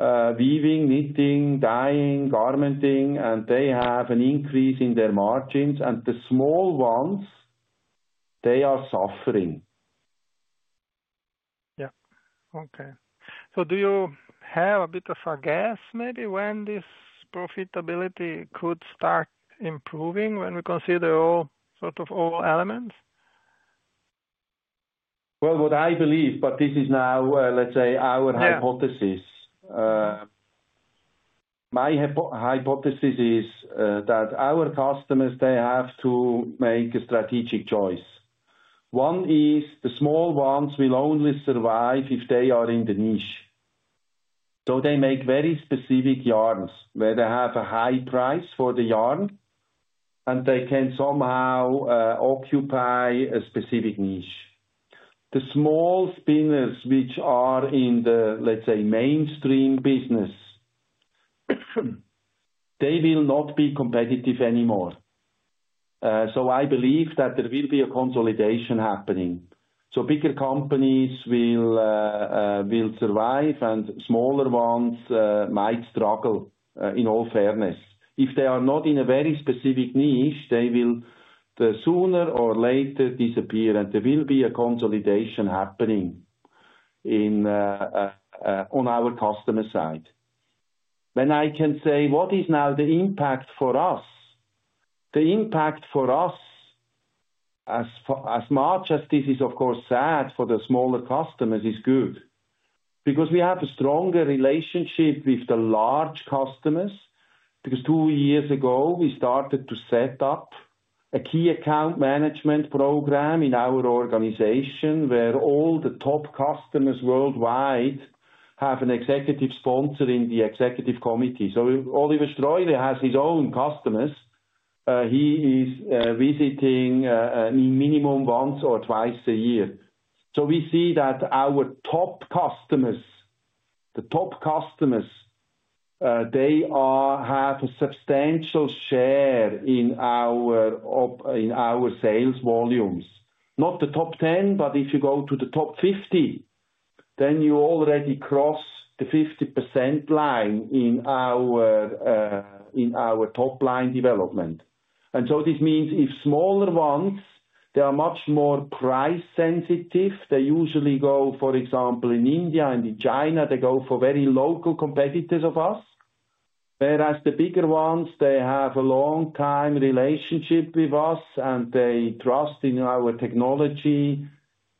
weaving, knitting, dyeing, garmenting, and they have an increase in their margins. The small ones they are suffering. Okay. Do you have a bit of a guess maybe when this profitability could start improving when we consider all sort of all elements? I believe, but this is now, let's say, our hypothesis. My hypothesis is that our customers have to make a strategic choice. One is the small ones will only survive if they are in the niche. They make very specific yarns where they have a high price for the yarn, and they can somehow occupy a specific niche. The small spinners, which are in the, let's say, mainstream business, will not be competitive anymore. I believe that there will be a consolidation happening. Bigger companies will survive, and smaller ones might struggle in all fairness. If they are not in a very specific niche, they will sooner or later disappear, and there will be a consolidation happening on our customer side. What is now the impact for us? The impact for us, as much as this is, of course, sad for the smaller customers, is good because we have a stronger relationship with the large customers. Two years ago, we started to set up a key account management program in our organization where all the top customers worldwide have an executive sponsor in the Executive Committee. Oliver Streuli has his own customers. He is visiting minimum once or twice a year. We see that our top customers have a substantial share in our sales volumes. Not the top 10, but if you go to the top 50, then you already cross the 50% line in our top line development. This means if smaller ones are much more price sensitive, they usually go, for example, in India and in China, for very local competitors of us. The bigger ones have a long-time relationship with us, and they trust in our technology.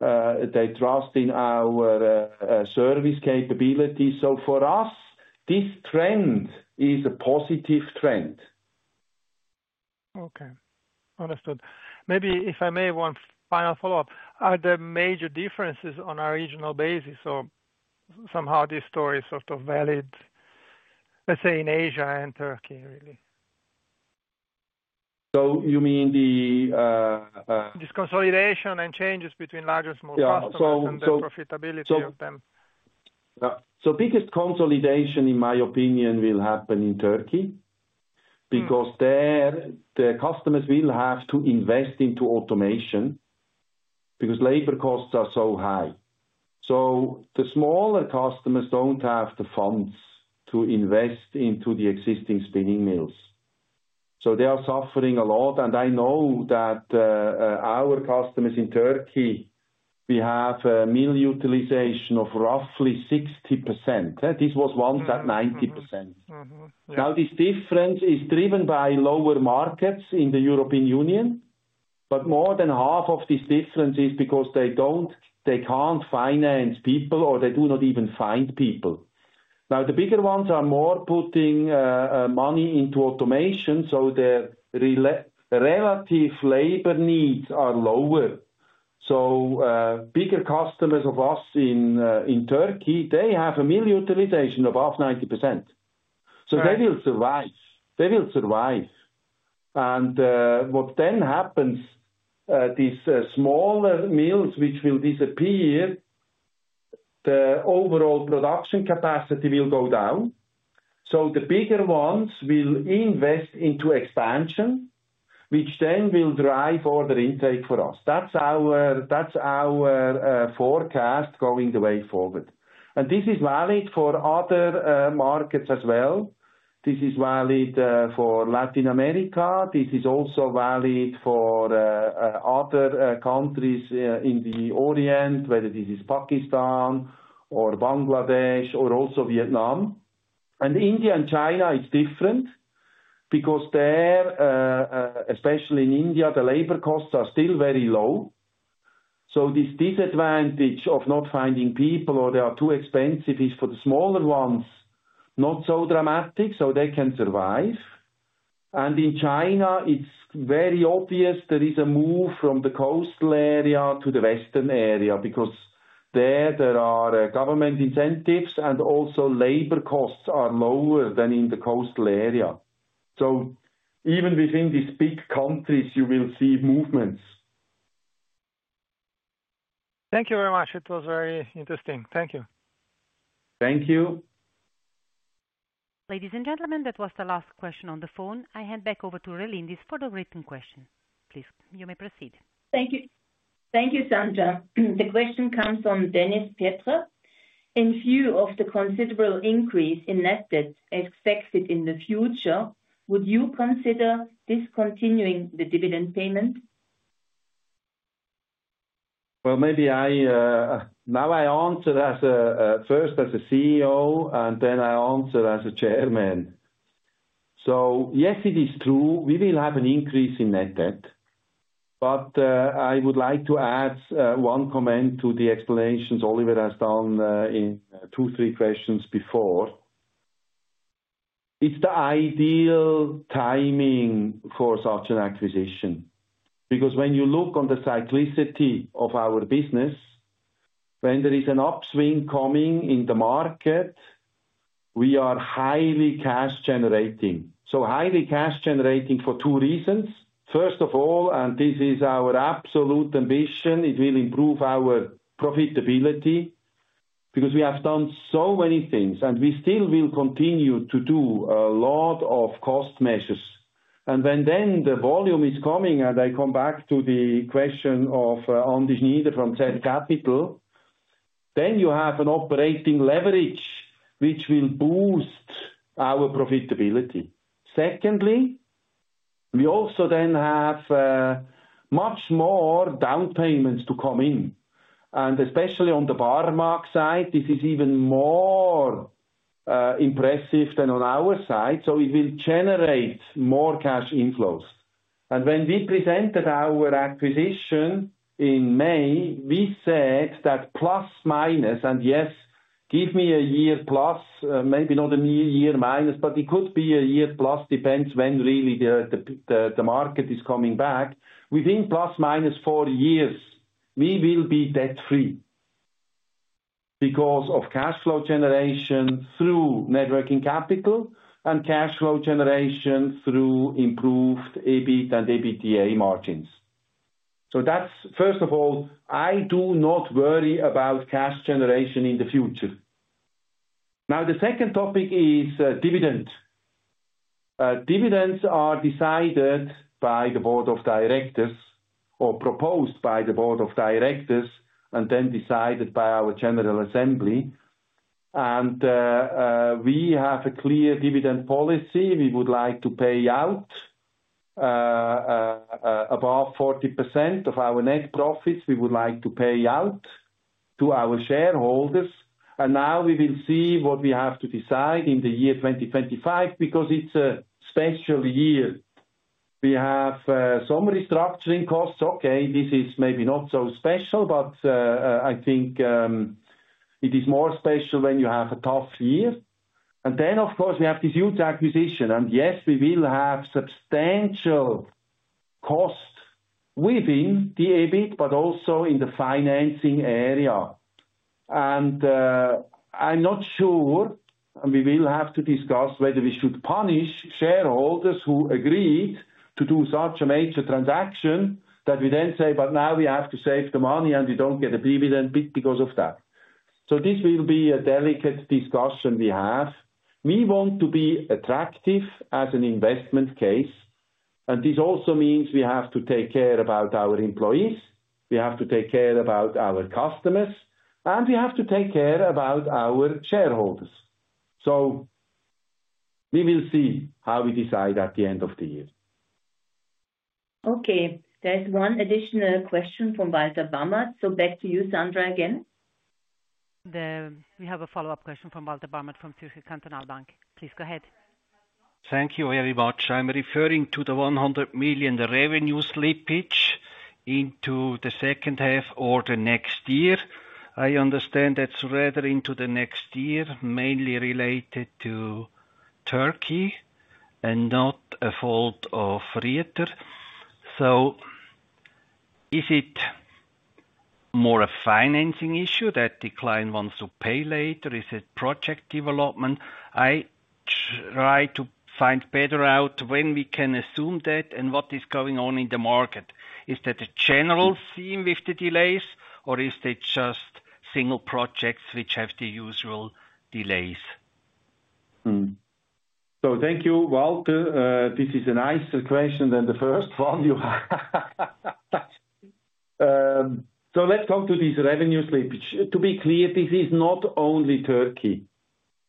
They trust in our service capabilities. For us, this trend is a positive trend. Okay. Understood. Maybe if I may, one final follow-up. Are there major differences on a regional basis? Or somehow this story is sort of valid, let's say, in Asia and Turkey really? You mean the. This consolidation and changes between large and small customers, and the profitability of them. The biggest consolidation, in my opinion, will happen in Turkey because there the customers will have to invest into automation because labor costs are so high. The smaller customers don't have the funds to invest into the existing spinning mills, so they are suffering a lot. I know that our customers in Turkey have a mill utilization of roughly 60%. This was once at 90%. This difference is driven by lower markets in the European Union, but more than half of this difference is because they can't finance people or they do not even find people. The bigger ones are more putting money into automation, so their relative labor needs are lower. Bigger customers of us in Turkey have a mill utilization above 90%, so they will survive. They will survive. What then happens is these smaller mills, which will disappear, the overall production capacity will go down. The bigger ones will invest into expansion, which then will drive Order Intake for us. That's our forecast going the way forward. This is valid for other markets as well. This is valid for Latin America. This is also valid for other countries in the Orient, whether this is Pakistan or Bangladesh or also Vietnam. India and China is different because there, especially in India, the labor costs are still very low. This disadvantage of not finding people or they are too expensive is for the smaller ones not so dramatic, so they can survive. In China, it's very obvious there is a move from the coastal area to the western area because there are government incentives and also labor costs are lower than in the coastal area. Even within these big countries, you will see movements. Thank you very much. It was very interesting. Thank you. Thank you. Ladies and gentlemen, that was the last question on the phone. I hand back over to Relindis for the written question. Please, you may proceed. Thank you. Thank you, Sandra. The question comes from Dennis Petra. In view of the considerable increase in net debt expected in the future, would you consider discontinuing the dividend payment? Maybe I answer first as CEO, and then I answer as Chairman. Yes, it is true. We will have an increase in net debt. I would like to add one comment to the explanations Oliver has done in two, three questions before. It's the ideal timing for such an acquisition because when you look on the cyclicity of our business, when there is an upswing coming in the market, we are highly cash generating. Highly cash generating for two reasons. First of all, and this is our absolute ambition, it will improve our profitability because we have done so many things, and we still will continue to do a lot of cost measures. When the volume is coming, and I come back to the question of Andy Schmider from Zest Capital, then you have an operating leverage which will boost our profitability. Secondly, we also then have much more down payments to come in. Especially on the Oerlikon Barmag AG side, it is even more impressive than on our side. It will generate more cash inflows. When we presented our acquisition in May, we said that plus minus, and yes, give me a year plus, maybe not a year minus, but it could be a year plus, depends when really the market is coming back. Within plus minus four years, we will be debt-free because of cash flow generation through net working capital and cash flow generation through improved EBIT and EBITDA margins. First of all, I do not worry about cash generation in the future. The second topic is dividend. Dividends are decided by the Board of Directors or proposed by the Board of Directors and then decided by our General Assembly. We have a clear dividend policy. We would like to pay out above 40% of our net profits. We would like to pay out to our shareholders. We will see what we have to decide in the year 2025 because it's a special year. We have some restructuring costs. This is maybe not so special, but I think it is more special when you have a tough year. Of course, we have this huge acquisition. Yes, we will have substantial costs within the EBIT, but also in the financing area. I'm not sure, and we will have to discuss whether we should punish shareholders who agreed to do such a major transaction that we then say, but now we have to save the money and we don't get a dividend because of that. This will be a delicate discussion we have. We want to be attractive as an investment case. This also means we have to take care about our employees. We have to take care about our customers. We have to take care about our shareholders. We will see how we decide at the end of the year. Okay, there's one additional question from Walter Baumert. Back to you, Sandra, again. We have a follow-up question from Walter Baumert from Zürcher Kantonalbank. Please go ahead. Thank you very much. I'm referring to the $100 million revenue slippage into the second half or the next year. I understand that's rather into the next year, mainly related to Turkey and not a fault of Rieter. Is it more a financing issue that the client wants to pay later? Is it project development? I try to find better out when we can assume that and what is going on in the market. Is that a general theme with the delays, or is it just single projects which have the usual delays? Thank you, Walter. This is a nicer question than the first one you have. Let's go to this revenue slippage. To be clear, this is not only Turkey.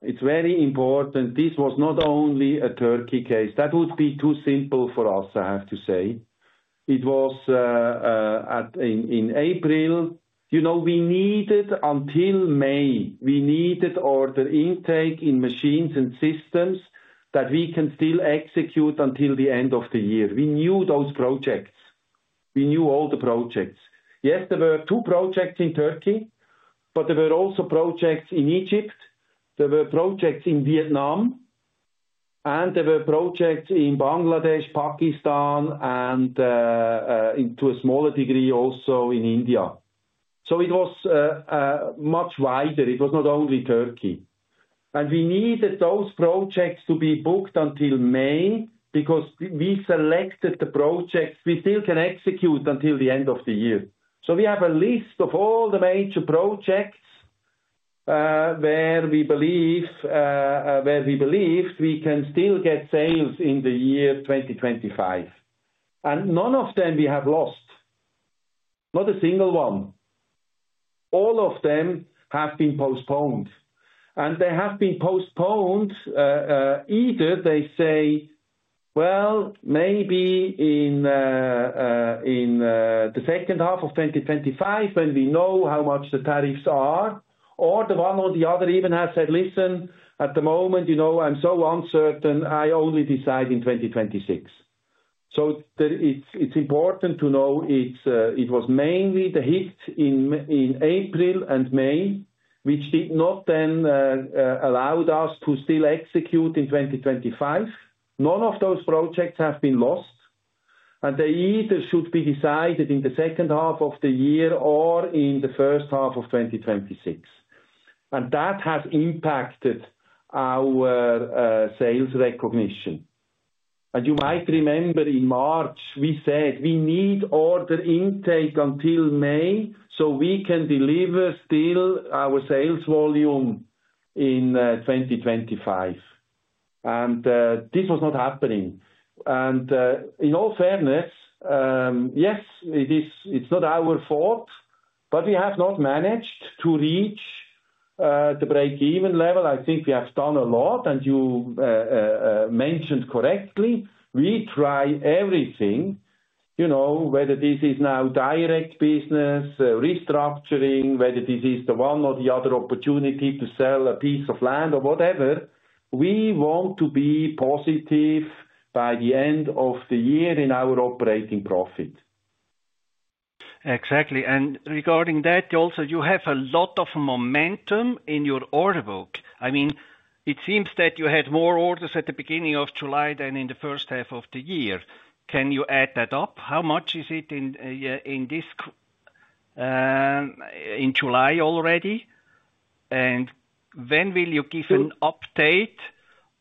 It's very important. This was not only a Turkey case. That would be too simple for us, I have to say. It was in April. We needed until May, we needed Order Intake in machines and systems that we can still execute until the end of the year. We knew those projects. We knew all the projects. Yes, there were two projects in Turkey, but there were also projects in Egypt. There were projects in Vietnam, and there were projects in Bangladesh, Pakistan, and to a smaller degree also in India. It was much wider. It was not only Turkey. We needed those projects to be booked until May because we selected the projects we still can execute until the end of the year. We have a list of all the major projects where we believe we can still get sales in the year 2025. None of them we have lost. Not a single one. All of them have been postponed. They have been postponed either they say, maybe in the second half of 2025 when we know how much the tariffs are, or the one or the other even has said, listen, at the moment, I'm so uncertain, I only decide in 2026. It's important to know it's mainly the hits in April and May, which did not then allow us to still execute in 2025. None of those projects have been lost. They either should be decided in the second half of the year or in the first half of 2026. That has impacted our sales recognition. You might remember in March, we said we need Order Intake until May so we can deliver still our sales volume in 2025. This was not happening. In all fairness, yes, it's not our fault, but we have not managed to reach the break-even level. I think we have done a lot. You mentioned correctly, we try everything, whether this is now direct business, restructuring, whether this is the one or the other opportunity to sell a piece of land or whatever. We want to be positive by the end of the year in our operating profit. Exactly. Regarding that, you also have a lot of momentum in your order book. It seems that you had more orders at the beginning of July than in the first half of the year. Can you add that up? How much is it in July already? When will you give an update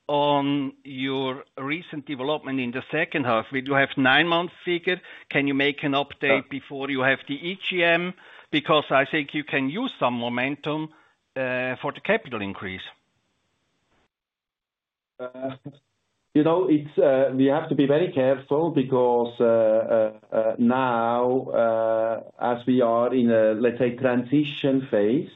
on your recent development in the second half? Will you have a nine-month figure? Can you make an update before you have the EGM? I think you can use some momentum for the capital increase. We have to be very careful because now, as we are in a, let's say, transition phase,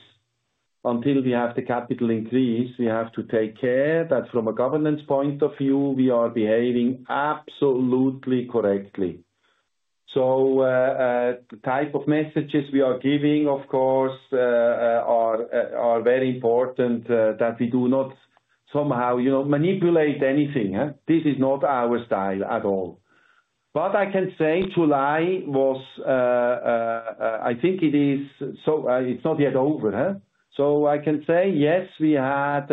until we have the capital increase, we have to take care that from a governance point of view, we are behaving absolutely correctly. The type of messages we are giving, of course, are very important that we do not somehow manipulate anything. This is not our style at all. I can say July was, I think it is, so it's not yet over. I can say, yes, we had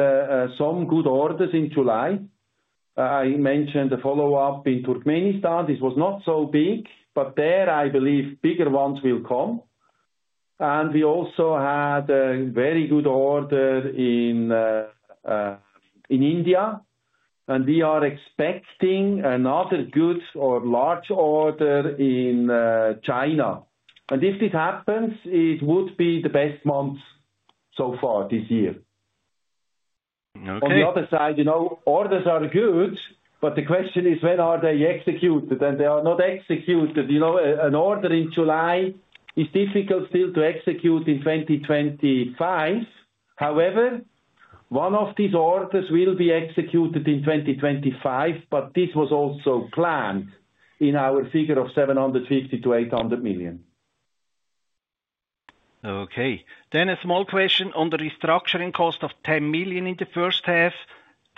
some good orders in July. I mentioned the follow-up in Turkmenistan. This was not so big, but there I believe bigger ones will come. We also had a very good order in India. We are expecting another good or large order in China. If it happens, it would be the best month so far this year. On the other side, orders are good, but the question is when are they executed? They are not executed. An order in July is difficult still to execute in 2025. However, one of these orders will be executed in 2025. This was also planned in our figure of $750 to $800 million. Okay. A small question on the restructuring cost of $10 million in the first half.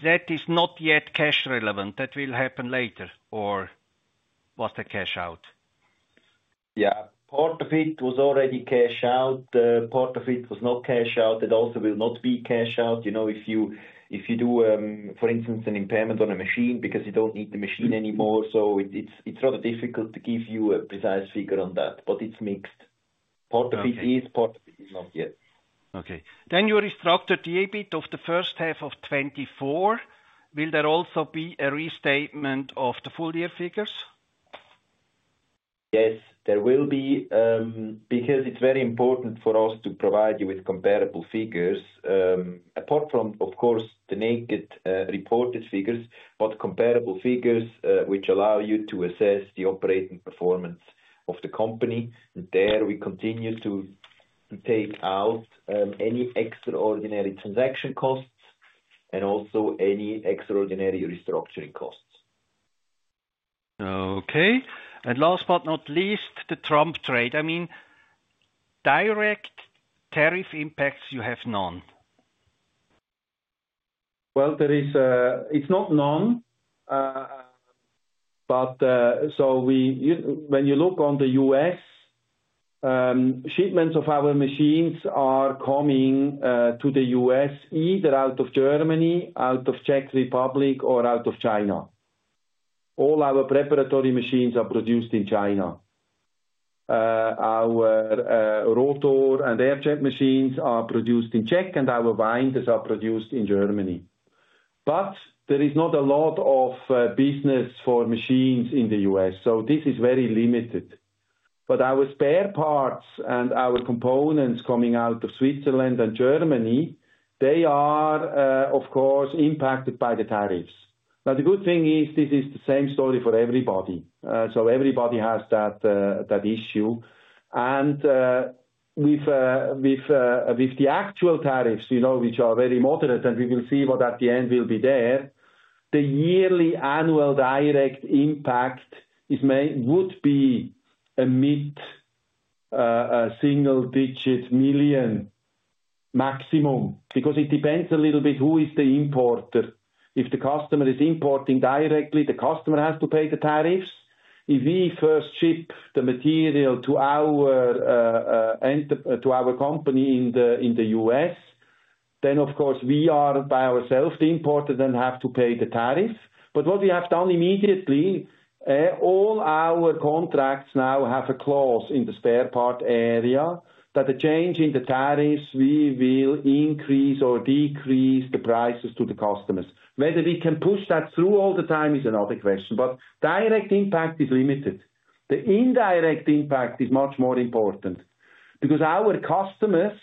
That is not yet cash relevant. That will happen later? Or was that cash out? Yeah, part of it was already cash out. Part of it was not cash out. It also will not be cash out. You know, if you do, for instance, an impairment on a machine because you don't need the machine anymore, it's rather difficult to give you a precise figure on that. It's mixed. Part of it is, part of it is not yet. Okay. Your restructured debit of the first half of 2024, will there also be a restatement of the full year figures? Yes, there will be, because it's very important for us to provide you with comparable figures, apart from, of course, the reported figures, but comparable figures which allow you to assess the operating performance of the company. We continue to take out any extraordinary transaction costs and also any extraordinary restructuring costs. Okay. Last but not least, the Trump trade. I mean, direct tariff impacts you have none. It is not none. When you look at the U.S., shipments of our machines are coming to the U.S. either out of Germany, out of the Czech Republic, or out of China. All our preparatory machines are produced in China. Our rotor and air-jet machines are produced in the Czech, and our binders are produced in Germany. There is not a lot of business for machines in the U.S., so this is very limited. Our spare parts and our components coming out of Switzerland and Germany are, of course, impacted by the tariffs. The good thing is this is the same story for everybody, so everybody has that issue. With the actual tariffs, which are very moderate, and we will see what at the end will be there, the yearly annual direct impact would be a mid-single-digit million maximum, because it depends a little bit who is the importer. If the customer is importing directly, the customer has to pay the tariffs. If we first ship the material to our company in the U.S., then, of course, we are by ourselves the importer and have to pay the tariff. What we have done immediately, all our contracts now have a clause in the spare part area that the change in the tariffs, we will increase or decrease the prices to the customers. Whether we can push that through all the time is another question. Direct impact is limited. The indirect impact is much more important because our customers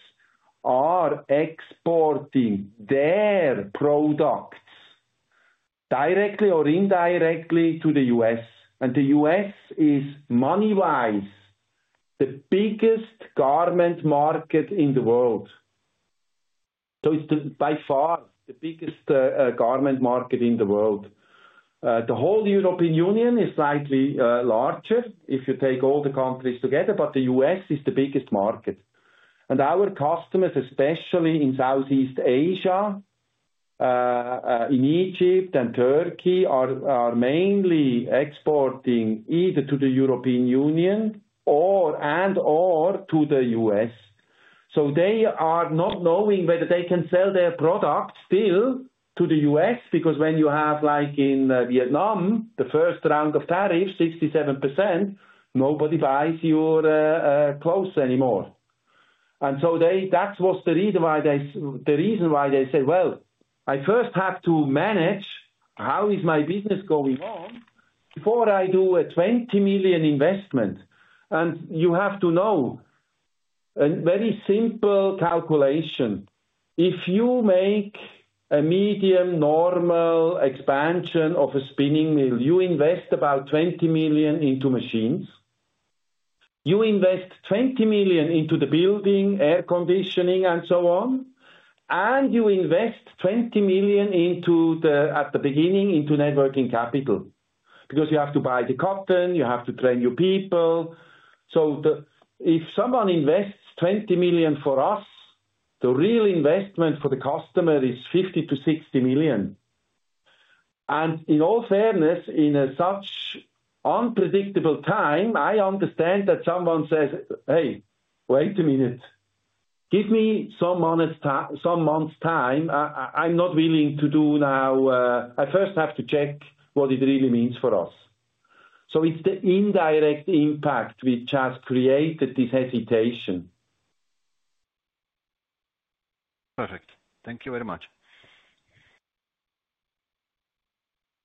are exporting their products directly or indirectly to the U.S. The U.S. is money-wise the biggest garment market in the world. It is by far the biggest garment market in the world. The whole European Union is slightly larger if you take all the countries together, but the U.S. is the biggest market. Our customers, especially in Southeast Asia, in Egypt and Turkey, are mainly exporting either to the European Union and/or to the U.S. They are not knowing whether they can sell their products still to the U.S. because when you have, like in Vietnam, the first round of tariffs, 67%, nobody buys your clothes anymore. That was the reason why they said, I first have to manage how is my business going on before I do a $20 million investment. You have to know, a very simple calculation. If you make a medium normal expansion of a spinning mill, you invest about $20 million into machines. You invest $20 million into the building, air conditioning, and so on. You invest $20 million at the beginning into net working capital. Because you have to buy the cotton, you have to train your people. If someone invests $20 million for us, the real investment for the customer is $50 to $60 million. In all fairness, in such unpredictable times, I understand that someone says, hey, wait a minute, give me some month's time. I'm not willing to do now. I first have to check what it really means for us. It's the indirect impact which has created this hesitation. Perfect. Thank you very much.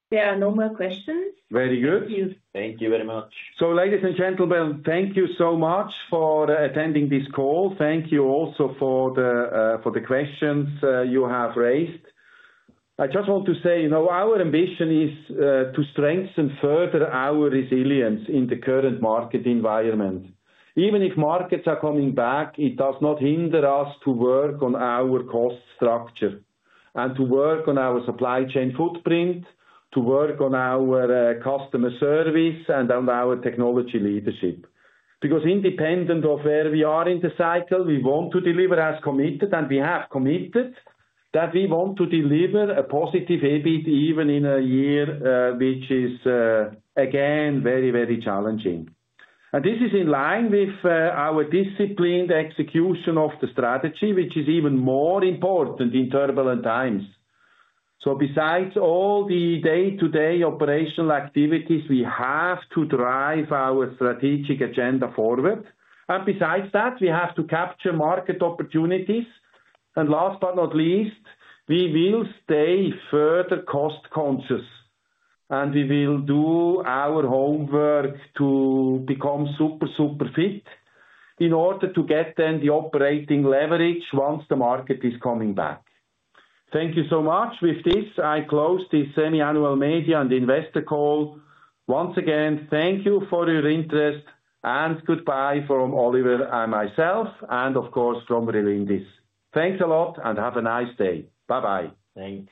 There are no more questions. Very good. Thank you very much. Ladies and gentlemen, thank you so much for attending this call. Thank you also for the questions you have raised. I just want to say, you know, our ambition is to strengthen further our resilience in the current market environment. Even if markets are coming back, it does not hinder us to work on our cost structure and to work on our supply chain footprint, to work on our customer service and on our technology leadership. Because independent of where we are in the cycle, we want to deliver as committed, and we have committed that we want to deliver a positive EBITDA even in a year which is, again, very, very challenging. This is in line with our disciplined execution of the strategy, which is even more important in turbulent times. Besides all the day-to-day operational activities, we have to drive our strategic agenda forward. Besides that, we have to capture market opportunities. Last but not least, we will stay further cost-conscious. We will do our homework to become super, super fit in order to get then the operating leverage once the market is coming back. Thank you so much. With this, I close this semi-annual media and investor call. Once again, thank you for your interest and goodbye from Oliver and myself and, of course, from Rieter Relindis. Thanks a lot and have a nice day. Bye-bye. Thanks.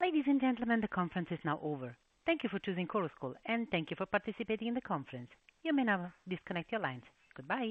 Ladies and gentlemen, the conference is now over. Thank you for choosing Chorus Call and thank you for participating in the conference. You may now disconnect your lines. Goodbye.